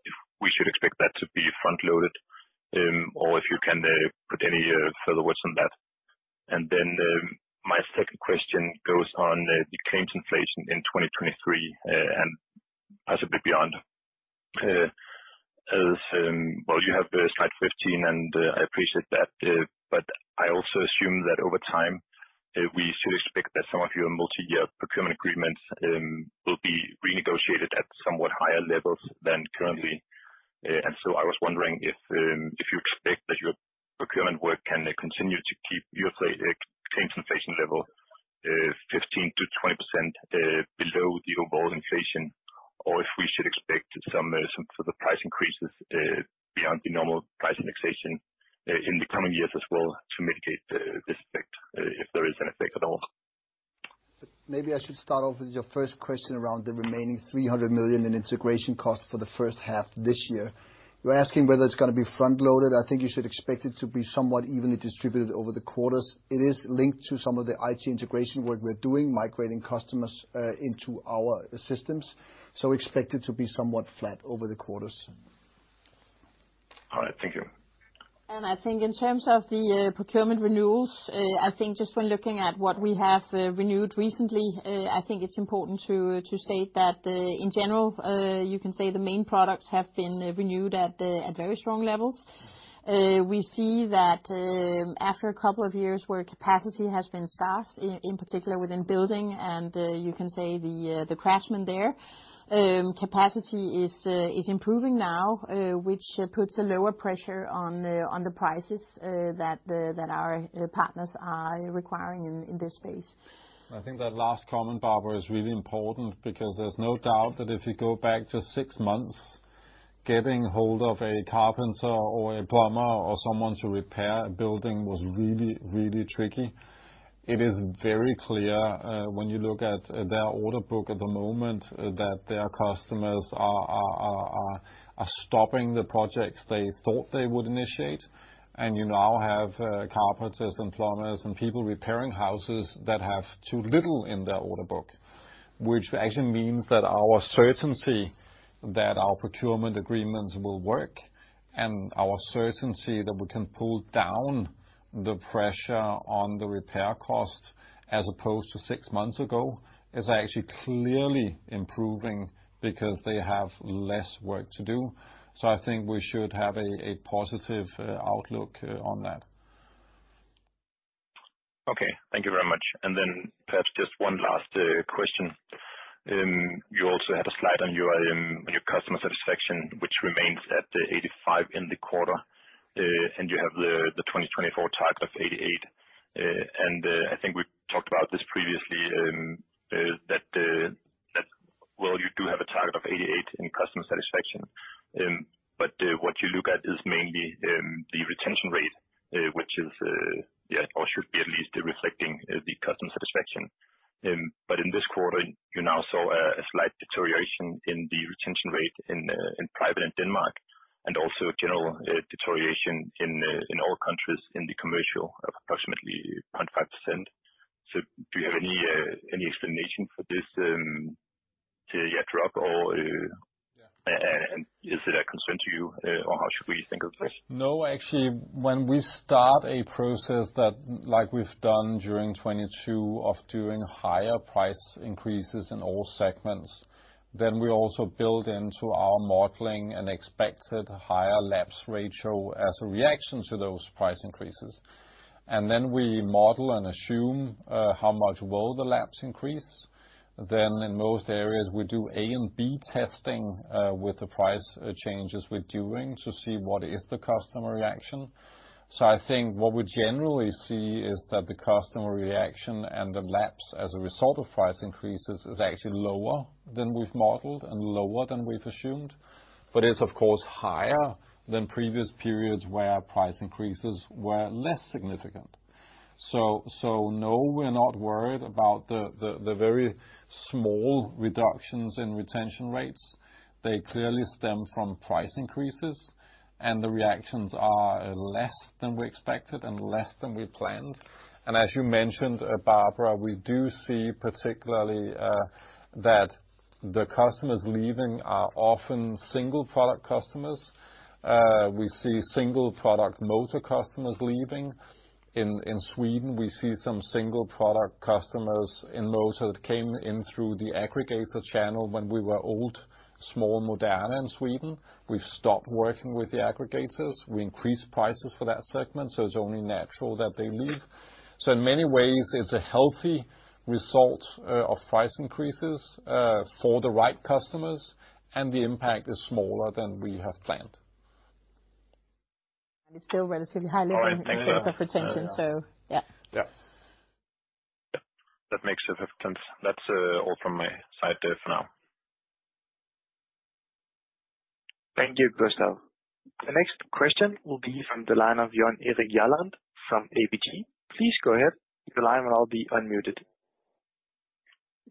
if we should expect that to be front-loaded, or if you can put any further words on that. My second question goes on the claims inflation in 2023 and possibly beyond. As well, you have the slide 15, and I appreciate that. I also assume that over time, we should expect that some of your multi-year procurement agreements will be renegotiated at somewhat higher levels than currently. I was wondering if you expect that your procurement work can continue to keep your claims inflation level 15%-20% below the overall inflation, or if we should expect some further price increases beyond the normal price annexation in the coming years as well to mitigate this effect, if there is an effect at all? Maybe I should start off with your first question around the remaining 300 million in integration costs for the H1 this year. You're asking whether it's going to be front-loaded. I think you should expect it to be somewhat evenly distributed over the quarters. It is linked to some of the IT integration work we're doing, migrating customers, into our systems. Expect it to be somewhat flat over the quarters. All right. Thank you. I think in terms of the procurement renewals, I think just when looking at what we have renewed recently, I think it's important to state that in general, you can say the main products have been renewed at very strong levels. We see that, after a couple of years where capacity has been scarce in particular within building and, you can say, the craftsmen there, capacity is improving now, which puts a lower pressure on the prices that our partners are requiring in this space. I think that last comment, Barbara, is really important because there's no doubt that if you go back just 6 months, getting hold of a carpenter or a plumber or someone to repair a building was really, really tricky. It is very clear, when you look at their order book at the moment that their customers are stopping the projects they thought they would initiate. You now have carpenters and plumbers and people repairing houses that have too little in their order book, which actually means that our certainty that our procurement agreements will work and our certainty that we can pull down the pressure on the repair cost as opposed to 6 months ago, is actually clearly improving because they have less work to do. I think we should have a positive outlook on that. Okay. Thank you very much. Perhaps just one last question. You also had a slide on your customer satisfaction, which remains at the 85% in the quarter. You have the 2024 target of 88%. I think we've talked about this previously, that while you do have a target of 88 in customer satisfaction, but what you look at is mainly the retention rate, which is, yeah, or should be at least reflecting the customer satisfaction. In this quarter, you now saw a slight deterioration in the retention rate in private in Denmark and also a general deterioration in all countries in the commercial of approximately 0.5%.Do you have any explanation for this to drop or? Yeah. Is it a concern to you, or how should we think of this? Actually, when we start a process that like we've done during 2022 of doing higher price increases in all segments, then we also build into our modeling an expected higher lapse ratio as a reaction to those price increases. Then we model and assume how much will the lapse increase. In most areas, we do A and B testing with the price changes we're doing to see what is the customer reaction. I think what we generally see is that the customer reaction and the lapse as a result of price increases is actually lower than we've modeled and lower than we've assumed, but is of course higher than previous periods where price increases were less significant. No, we're not worried about the very small reductions in retention rates. They clearly stem from price increases, and the reactions are less than we expected and less than we planned. As you mentioned, Barbara, we do see particularly that the customers leaving are often single product customers. We see single product motor customers leaving. In Sweden, we see some single product customers in motor that came in through the aggregator channel when we were old, small Moderna in Sweden. We've stopped working with the aggregators. We increased prices for that segment, so it's only natural that they leave. In many ways, it's a healthy result of price increases for the right customers, and the impact is smaller than we have planned. It's still relatively high level. All right. Thanks. In terms of retention. Yeah. Yeah. Yeah. That makes perfect sense. That's all from my side there for now. Thank you, Gustav. The next question will be from the line of Jan Erik Gjerland from ABG. Please go ahead. Your line will now be unmuted.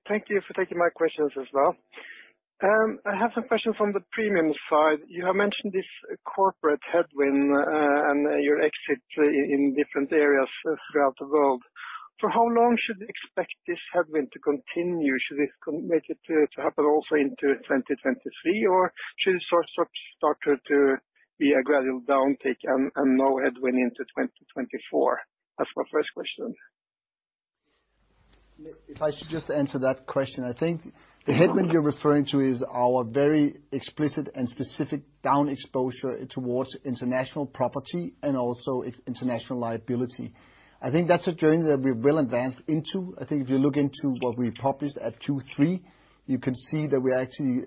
Thank you for taking my questions as well. I have some questions from the premium side. You have mentioned this corporate headwind, and your exit in different areas throughout the world. For how long should we expect this headwind to continue? Should it make it to happen also into 2023, or should it start to be a gradual downtick and no headwind into 2024? That's my first question. If I should just answer that question. I think the headwind you're referring to is our very explicit and specific down exposure towards international property and also its international liability. I think that's a journey that we're well advanced into. I think if you look into what we published at two-three, you can see that we're actually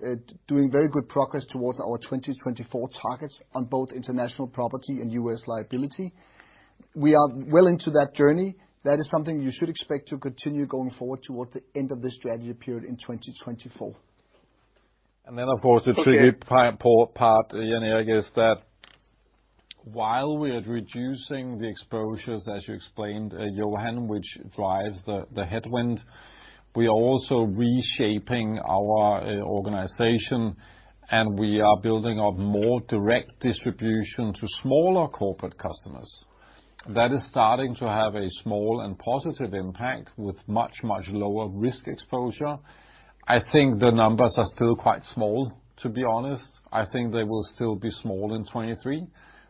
doing very good progress towards our 2024 targets on both international property and international liability. We are well into that journey. That is something you should expect to continue going forward towards the end of this strategy period in 2024. Of course, the tricky part, Jan Erik, is that while we are reducing the exposures, as you explained, Johan, which drives the headwind, we are also reshaping our organization, and we are building up more direct distribution to smaller corporate customers. That is starting to have a small and positive impact with much, much lower risk exposure. I think the numbers are still quite small, to be honest. I think they will still be small in 2023.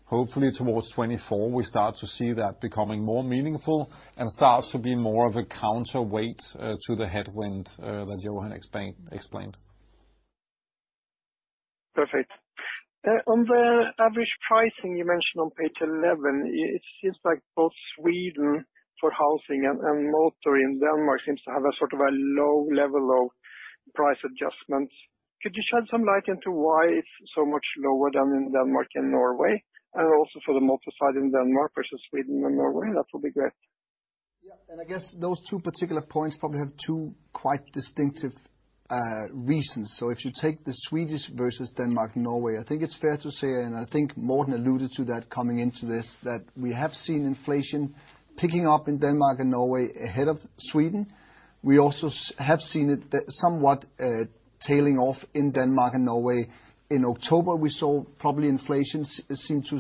Hopefully towards 2024, we start to see that becoming more meaningful and starts to be more of a counterweight, to the headwind, that Johan explained. Perfect. On the average pricing you mentioned on page 11, it seems like both Sweden for housing and motor in Denmark seems to have a low level of price adjustments. Could you shed some light into why it's so much lower than in Denmark and Norway, and also for the motor side in Denmark versus Sweden and Norway? That would be great. I guess those two particular points probably have two quite distinctive reasons. If you take the Swedish versus Denmark and Norway, I think it's fair to say, and I think Morten alluded to that coming into this, that we have seen inflation picking up in Denmark and Norway ahead of Sweden. We also have seen it somewhat tailing off in Denmark and Norway. In October, we saw probably inflation seemed to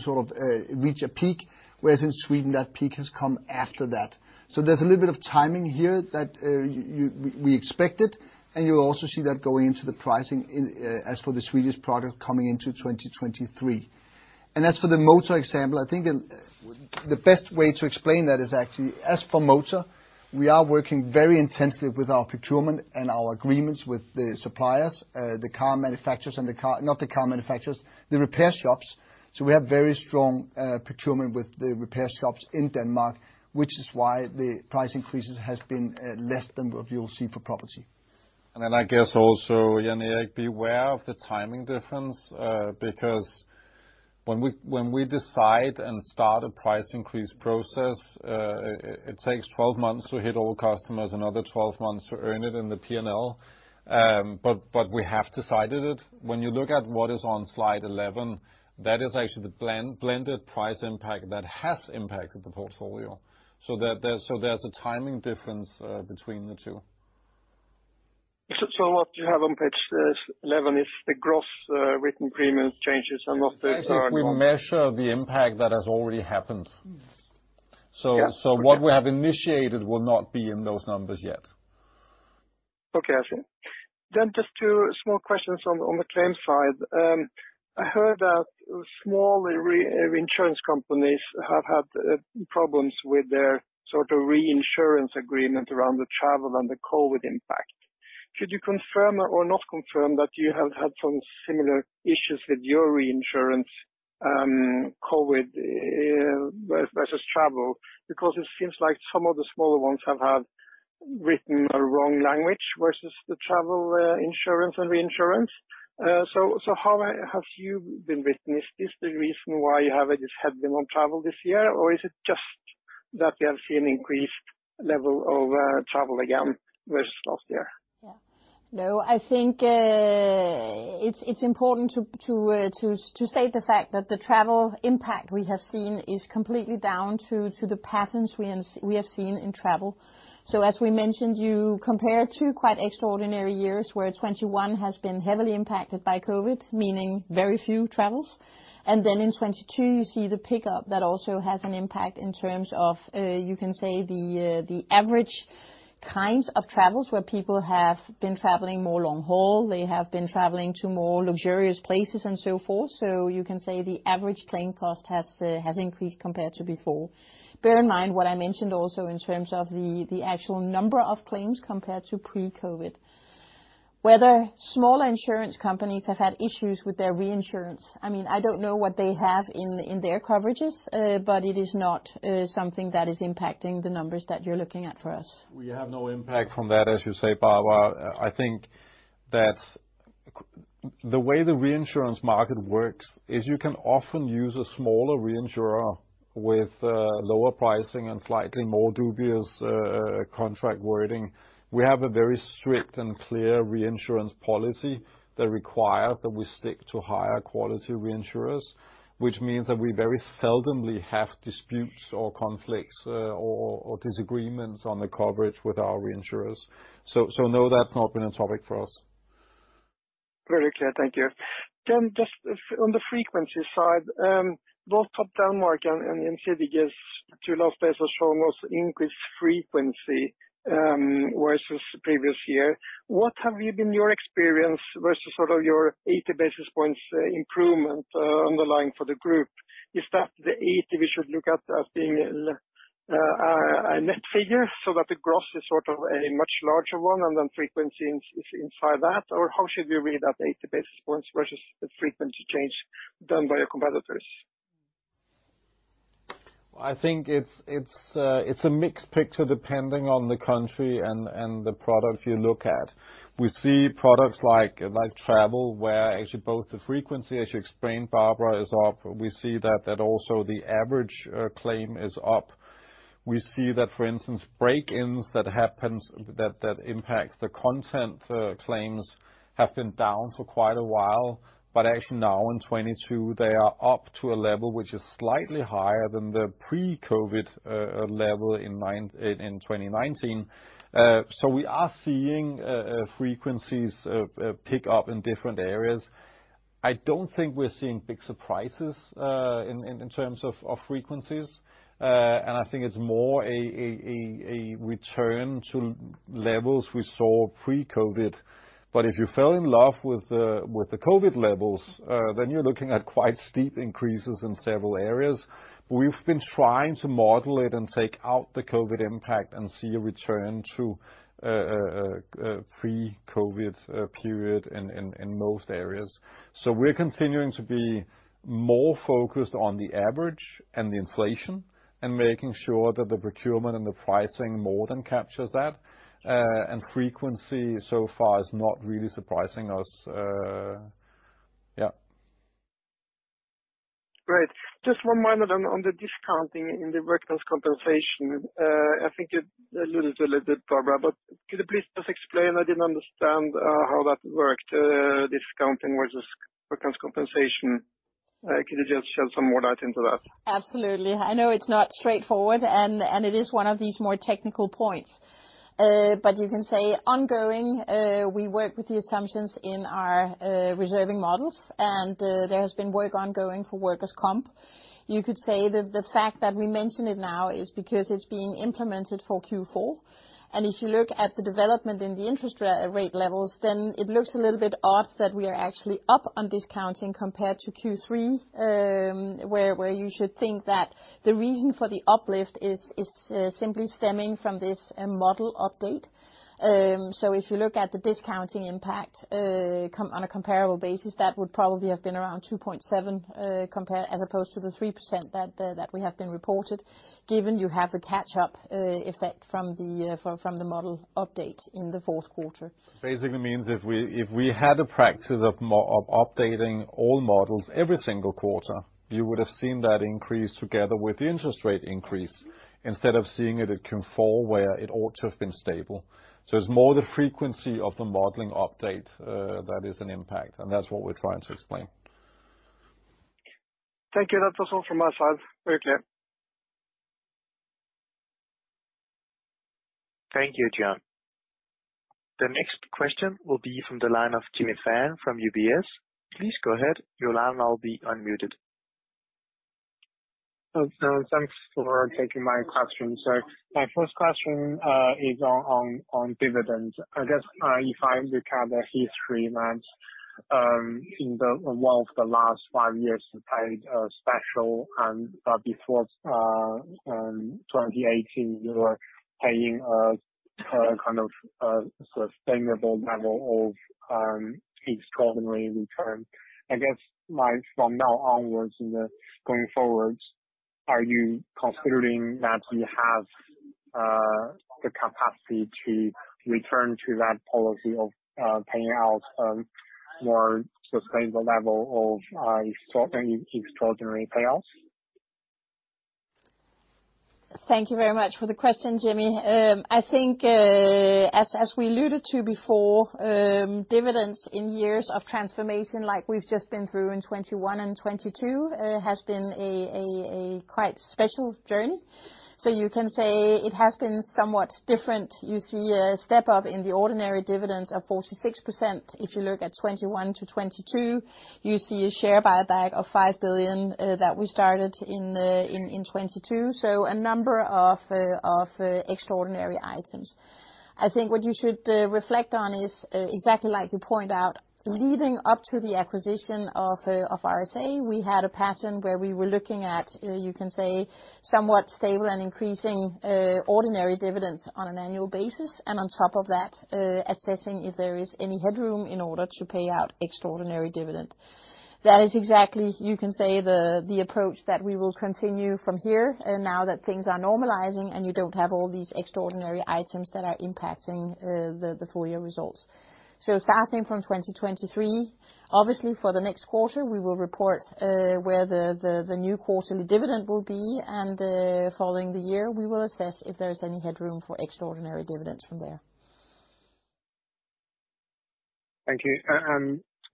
reach a peak, whereas in Sweden, that peak has come after that. There's a little bit of timing here that we expected, and you'll also see that going into the pricing in as for the Swedish product coming into 2023. As for the motor example, I think the best way to explain that is actually, as for motor, we are working very intensely with our procurement and our agreements with the suppliers, the car manufacturers and Not the car manufacturers, the repair shops. We have very strong procurement with the repair shops in Denmark, which is why the price increases has been less than what you'll see for property. I guess also, Jan Erik, be aware of the timing difference, because when we decide and start a price increase process, it takes 12 months to hit all customers, another 12 months to earn it in the P&L. We have decided it. When you look at what is on slide 11, that is actually the blended price impact that has impacted the portfolio. There's a timing difference between the two. What you have on page S-11 is the gross, written premium changes and not the. I think we measure the impact that has already happened. Yeah. Okay. What we have initiated will not be in those numbers yet. Okay. I see. Just two small questions on the claims side. I heard that small reinsurance companies have had problems with their reinsurance agreement around the travel and the COVID impact. Could you confirm or not confirm that you have had some similar issues with your reinsurance, COVID versus travel? It seems like some of the smaller ones have had written a wrong language versus the travel insurance and reinsurance. How has you been written? Is this the reason why you have a headwind on travel this year, or is it just that you have seen increased level of travel again versus last year? Yeah. No, I think, it's important to state the fact that the travel impact we have seen is completely down to the patterns we have seen in travel. As we mentioned, you compare two quite extraordinary years, where 2021 has been heavily impacted by COVID, meaning very few travels. In 2022, you see the pickup that also has an impact in terms of, you can say the average kinds of travels, where people have been traveling more long haul, they have been traveling to more luxurious places and so forth. You can say the average claim cost has increased compared to before. Bear in mind what I mentioned also in terms of the actual number of claims compared to pre-COVID. Whether small insurance companies have had issues with their reinsurance, I mean, I don't know what they have in their coverages, but it is not something that is impacting the numbers that you're looking at for us. We have no impact from that, as you say, Barbara. I think that the way the reinsurance market works is you can often use a smaller reinsurer with lower pricing and slightly more dubious contract wording. We have a very strict and clear reinsurance policy that require that we stick to higher quality reinsurers, which means that we very seldomly have disputes or conflicts or disagreements on the coverage with our reinsurers. No, that's not been a topic for us. Very clear. Thank you. Just on the frequency side, both Topdanmark and Intred gives two last days has shown us increased frequency versus previous year. What have you been your experience versus your 80 basis points improvement underlying for the group? Is that the 80% we should look at as being a net figure so that the gross is a much larger one and then frequency is inside that? Or how should we read that 80 basis points versus the frequency change done by your competitors? I think it's a mixed picture depending on the country and the product you look at. We see products like travel, where actually both the frequency, as you explained, Barbara, is up. We see that also the average claim is up. We see that, for instance, break-ins that happens that impacts the content claims have been down for quite a while, but actually now in 2022, they are up to a level which is slightly higher than the pre-COVID level in 2019. We are seeing frequencies pick up in different areas. I don't think we're seeing big surprises in terms of frequencies. I think it's more a return to levels we saw pre-COVID. If you fell in love with the, with the COVID levels, then you're looking at quite steep increases in several areas. We've been trying to model it and take out the COVID impact and see a return to pre-COVID period in, in most areas. We're continuing to be more focused on the average and the inflation, and making sure that the procurement and the pricing more than captures that. Frequency so far is not really surprising us. Yeah. Great. Just one more note on the discounting in the workers' compensation. I think you alluded to a little bit, Barbara. Could you please just explain? I didn't understand how that worked, discounting versus workers' compensation. Could you just shed some more light into that? Absolutely. I know it's not straightforward, and it is one of these more technical points. You can say ongoing, we work with the assumptions in our reserving models, and there has been work ongoing for workers comp. You could say that the fact that we mention it now is because it's being implemented for Q4. If you look at the development in the interest rate levels, then it looks a little bit odd that we are actually up on discounting compared to Q3, where you should think that the reason for the uplift is simply stemming from this model update. If you look at the discounting impact on a comparable basis, that would probably have been around 2.7% compared as opposed to the 3% we have been reported, given you have the catch-up effect from the model update in the Q4. Basically means if we had a practice of updating all models every single quarter, you would have seen that increase together with the interest rate increase. Instead of seeing it can fall where it ought to have been stable. It's more the frequency of the modeling update that is an impact, and that's what we're trying to explain. Thank you. That's all from my side. Very clear. Thank you, John. The next question will be from the line of Jimmy Fan from UBS. Please go ahead. Your line will now be unmuted. Thanks for taking my question. My first question is on dividends. I guess if I look at the history that in the one of the last five years, you paid special, but before 2018, you were paying a sustainable level of extraordinary return. I guess my from now onwards in the going forwards, are you considering that you have the capacity to return to that policy of paying out more sustainable level of extraordinary payouts? Thank you very much for the question, Jimmy. I think as we alluded to before, dividends in years of transformation like we've just been through in 2021 and 2022 has been a quite special journey. You can say it has been somewhat different. You see a step up in the ordinary dividends of 46%. If you look at 2021 to 2022, you see a share buyback of 5 billion that we started in 2022. A number of extraordinary items. I think what you should reflect on is exactly like you point out. Leading up to the acquisition of RSA, we had a pattern where we were looking at, you can say, somewhat stable and increasing ordinary dividends on an annual basis. On top of that, assessing if there is any headroom in order to pay out extraordinary dividend. That is exactly, you can say, the approach that we will continue from here, now that things are normalizing and you don't have all these extraordinary items that are impacting the full year results. Starting from 2023, obviously for the next quarter, we will report where the new quarterly dividend will be. Following the year, we will assess if there is any headroom for extraordinary dividends from there. Thank you.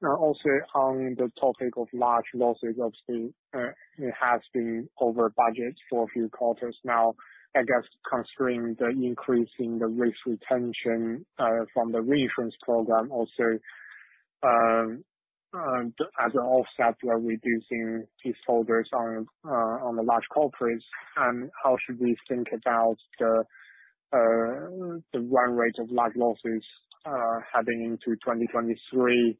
Also on the topic of large losses, obviously, it has been over budget for a few quarters now. I guess considering the increase in the risk retention, from the re-insurance program also, as an offset, we're reducing these folders on the large corporates. How should we think about the run rate of large losses, heading into 2023?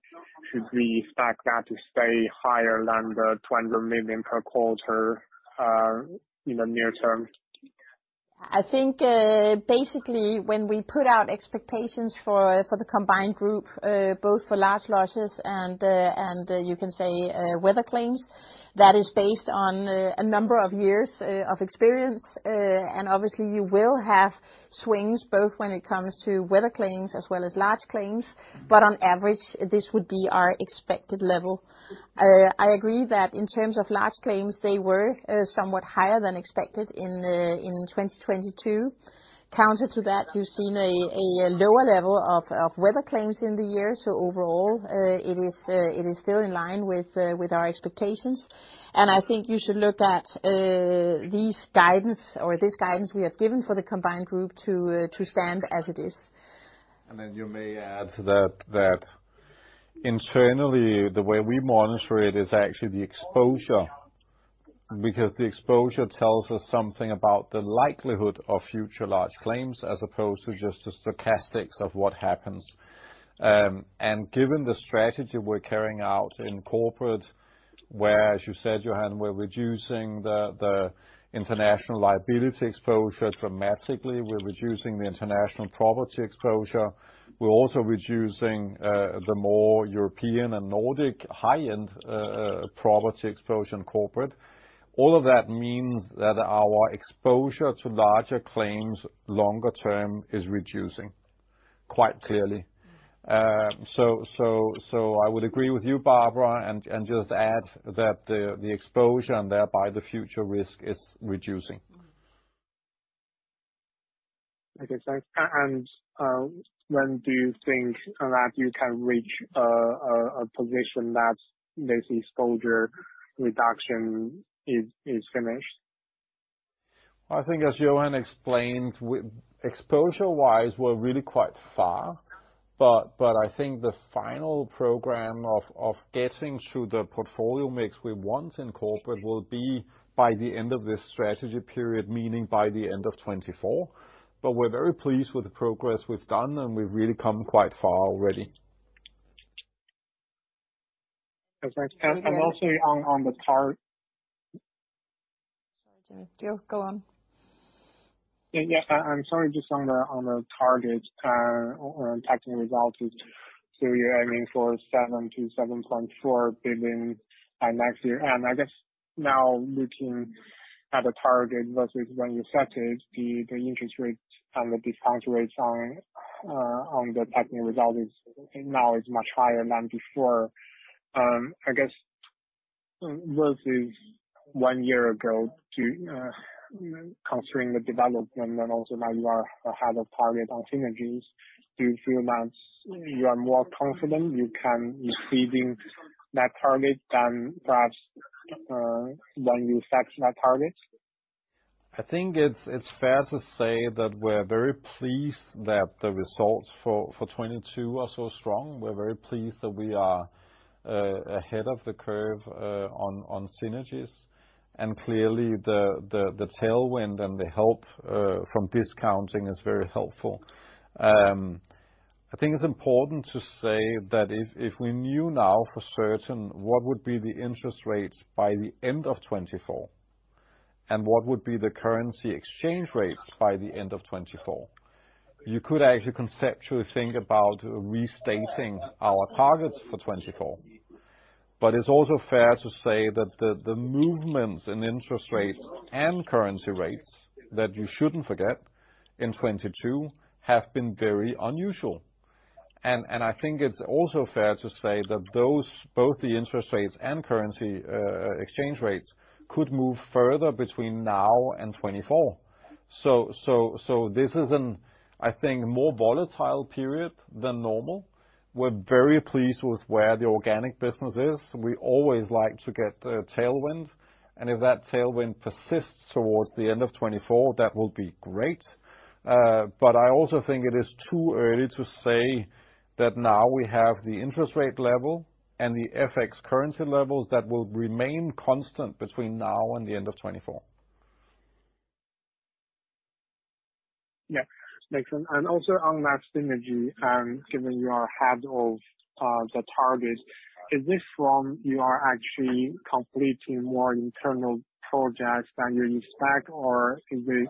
Should we expect that to stay higher than the 20 million per quarter, in the near term? I think basically when we put out expectations for the combined group, both for large losses and you can say weather claims, that is based on a number of years of experience. Obviously, you will have swings both when it comes to weather claims as well as large claims. On average, this would be our expected level. I agree that in terms of large claims, they were somewhat higher than expected in 2022. Counter to that, you've seen a lower level of weather claims in the year. Overall, it is still in line with our expectations. I think you should look at these guidance or this guidance we have given for the combined group to stand as it is. Then you may add that internally, the way we monitor it is actually the exposure. Because the exposure tells us something about the likelihood of future large claims, as opposed to just the stochastics of what happens. Given the strategy we're carrying out in corporate, where, as you said, Johan, we're reducing the international liability exposure dramatically. We're reducing the international property exposure. We're also reducing the more European and Nordic high-end property exposure in corporate. All of that means that our exposure to larger claims longer term is reducing, quite clearly. So I would agree with you, Barbara, and just add that the exposure and thereby the future risk is reducing. Okay, thanks. When do you think that you can reach a position that this exposure reduction is finished? I think as Johan explained, exposure wise, we're really quite far, but I think the final program of getting to the portfolio mix we want in corporate will be by the end of this strategy period, meaning by the end of 2024. We're very pleased with the progress we've done, and we've really come quite far already. Okay, thanks. Sorry, Jimmy. Go on. Yeah. I'm sorry, just on the target, on technical results is so you're aiming for 7 billion-7.4 billion by next year. I guess now looking at the target versus when you set it, the interest rates and the discount rates on the technical result is now much higher than before. I guess versus 1 year ago to, considering the development and also now you are ahead of target on synergies, do you feel that you are more confident you can exceeding that target than perhaps, when you set that target? I think it's fair to say that we're very pleased that the results for 2022 are so strong. We're very pleased that we are ahead of the curve on synergies. Clearly the tailwind and the help from discounting is very helpful. I think it's important to say that if we knew now for certain what would be the interest rates by the end of 2024 and what would be the currency exchange rates by the end of 2024, you could actually conceptually think about restating our targets for 2024. It's also fair to say that the movements in interest rates and currency rates that you shouldn't forget in 2022 have been very unusual. I think it's also fair to say that those, both the interest rates and currency exchange rates could move further between now and 2024. This is an, I think, more volatile period than normal. We're very pleased with where the organic business is. We always like to get a tailwind, and if that tailwind persists towards the end of 2024, that will be great. I also think it is too early to say that now we have the interest rate level and the FX currency levels that will remain constant between now and the end of 2024. Yeah. Thanks. Also on that synergy, given you are ahead of the target, is this from you are actually completing more internal projects than you expect? Or is it,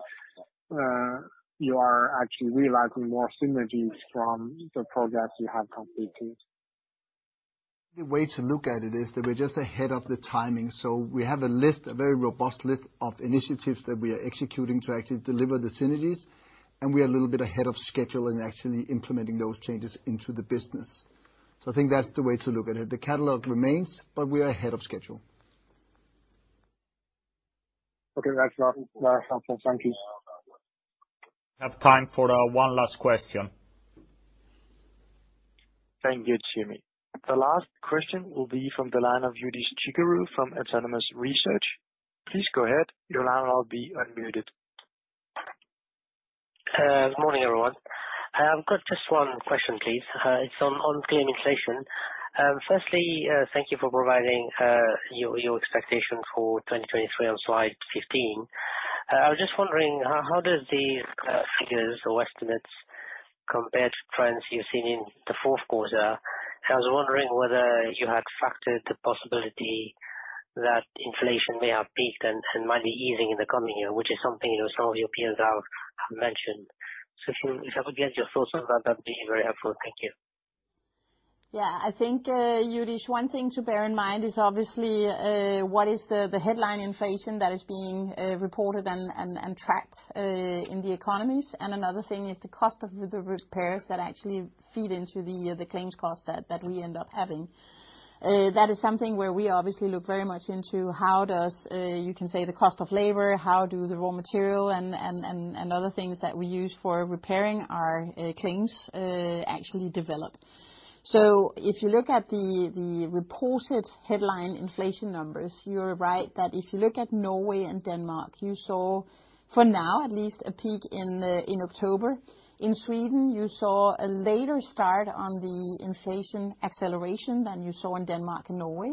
you are actually realizing more synergies from the projects you have completed? The way to look at it is that we're just ahead of the timing. We have a list, a very robust list of initiatives that we are executing to actually deliver the synergies, and we are a little bit ahead of schedule in actually implementing those changes into the business. I think that's the way to look at it. The catalog remains, but we are ahead of schedule. Okay, that's all. Thank you. We have time for one last question. Thank you, Jimmy. The last question will be from the line of Youdish Chicooree from Autonomous Research. Please go ahead. Your line will now be unmuted. Good morning, everyone. I've got just one question, please. It's on claim inflation. Firstly, thank you for providing your expectation for 2023 on slide 15. I was just wondering how does these figures or estimates compare to trends you've seen in the Q4? I was wondering whether you had factored the possibility that inflation may have peaked and might be easing in the coming year, which is something that some of your peers have mentioned. If I could get your thoughts on that'd be very helpful. Thank you. Yeah. I think, Youdish, one thing to bear in mind is obviously, what is the headline inflation that is being, reported and tracked, in the economies. Another thing is the cost of the repairs that actually feed into the claims cost that we end up having. That is something where we obviously look very much into how does, you can say the cost of labor, how do the raw material and other things that we use for repairing our, claims, actually develop. So if you look at the reported headline inflation numbers, you're right that if you look at Norway and Denmark, you saw for now at least a peak in October. In Sweden, you saw a later start on the inflation acceleration than you saw in Denmark and Norway.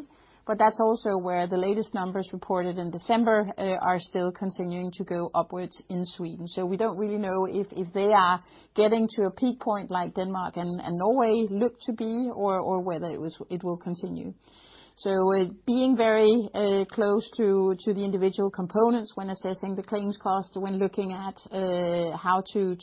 That's also where the latest numbers reported in December are still continuing to go upwards in Sweden. We don't really know if they are getting to a peak point like Denmark and Norway look to be, or whether it will continue. Being very close to the individual components when assessing the claims cost, when looking at how to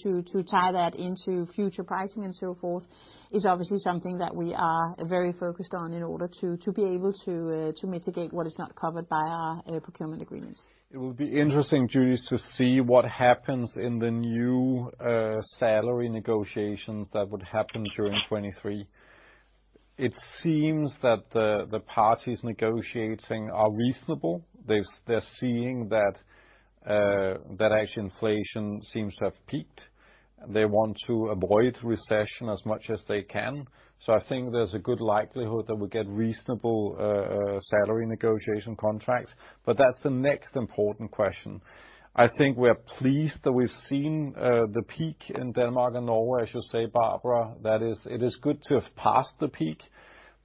tie that into future pricing and so forth, is obviously something that we are very focused on in order to be able to mitigate what is not covered by our procurement agreements. It will be interesting, Youdish, to see what happens in the new salary negotiations that would happen during 2023. It seems that the parties negotiating are reasonable. They're seeing that actually inflation seems to have peaked. They want to avoid recession as much as they can. I think there's a good likelihood that we get reasonable salary negotiation contracts. That's the next important question. I think we're pleased that we've seen the peak in Denmark and Norway, I should say, Barbara. That is, it is good to have passed the peak.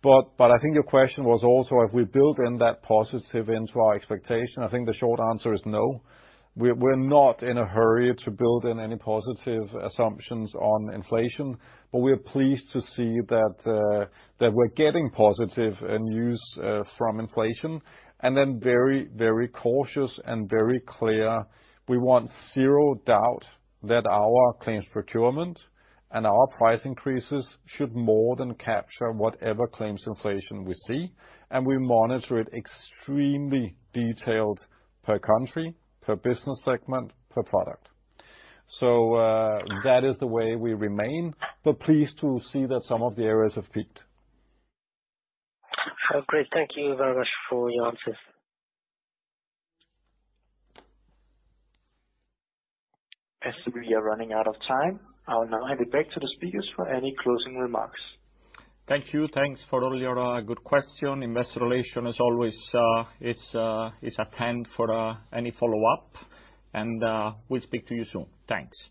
I think your question was also have we built in that positive into our expectation? I think the short answer is no. We're not in a hurry to build in any positive assumptions on inflation, but we are pleased to see that we're getting positive news from inflation. Very, very cautious and very clear, we want zero doubt that our claims procurement and our price increases should more than capture whatever claims inflation we see. We monitor it extremely detailed per country, per business segment, per product. That is the way we remain, but pleased to see that some of the areas have peaked. Oh, great. Thank you very much for your answers. As we are running out of time, I'll now hand it back to the speakers for any closing remarks. Thank you. Thanks for all your good question. Investor Relations as always is attend for any follow-up. We'll speak to you soon. Thanks.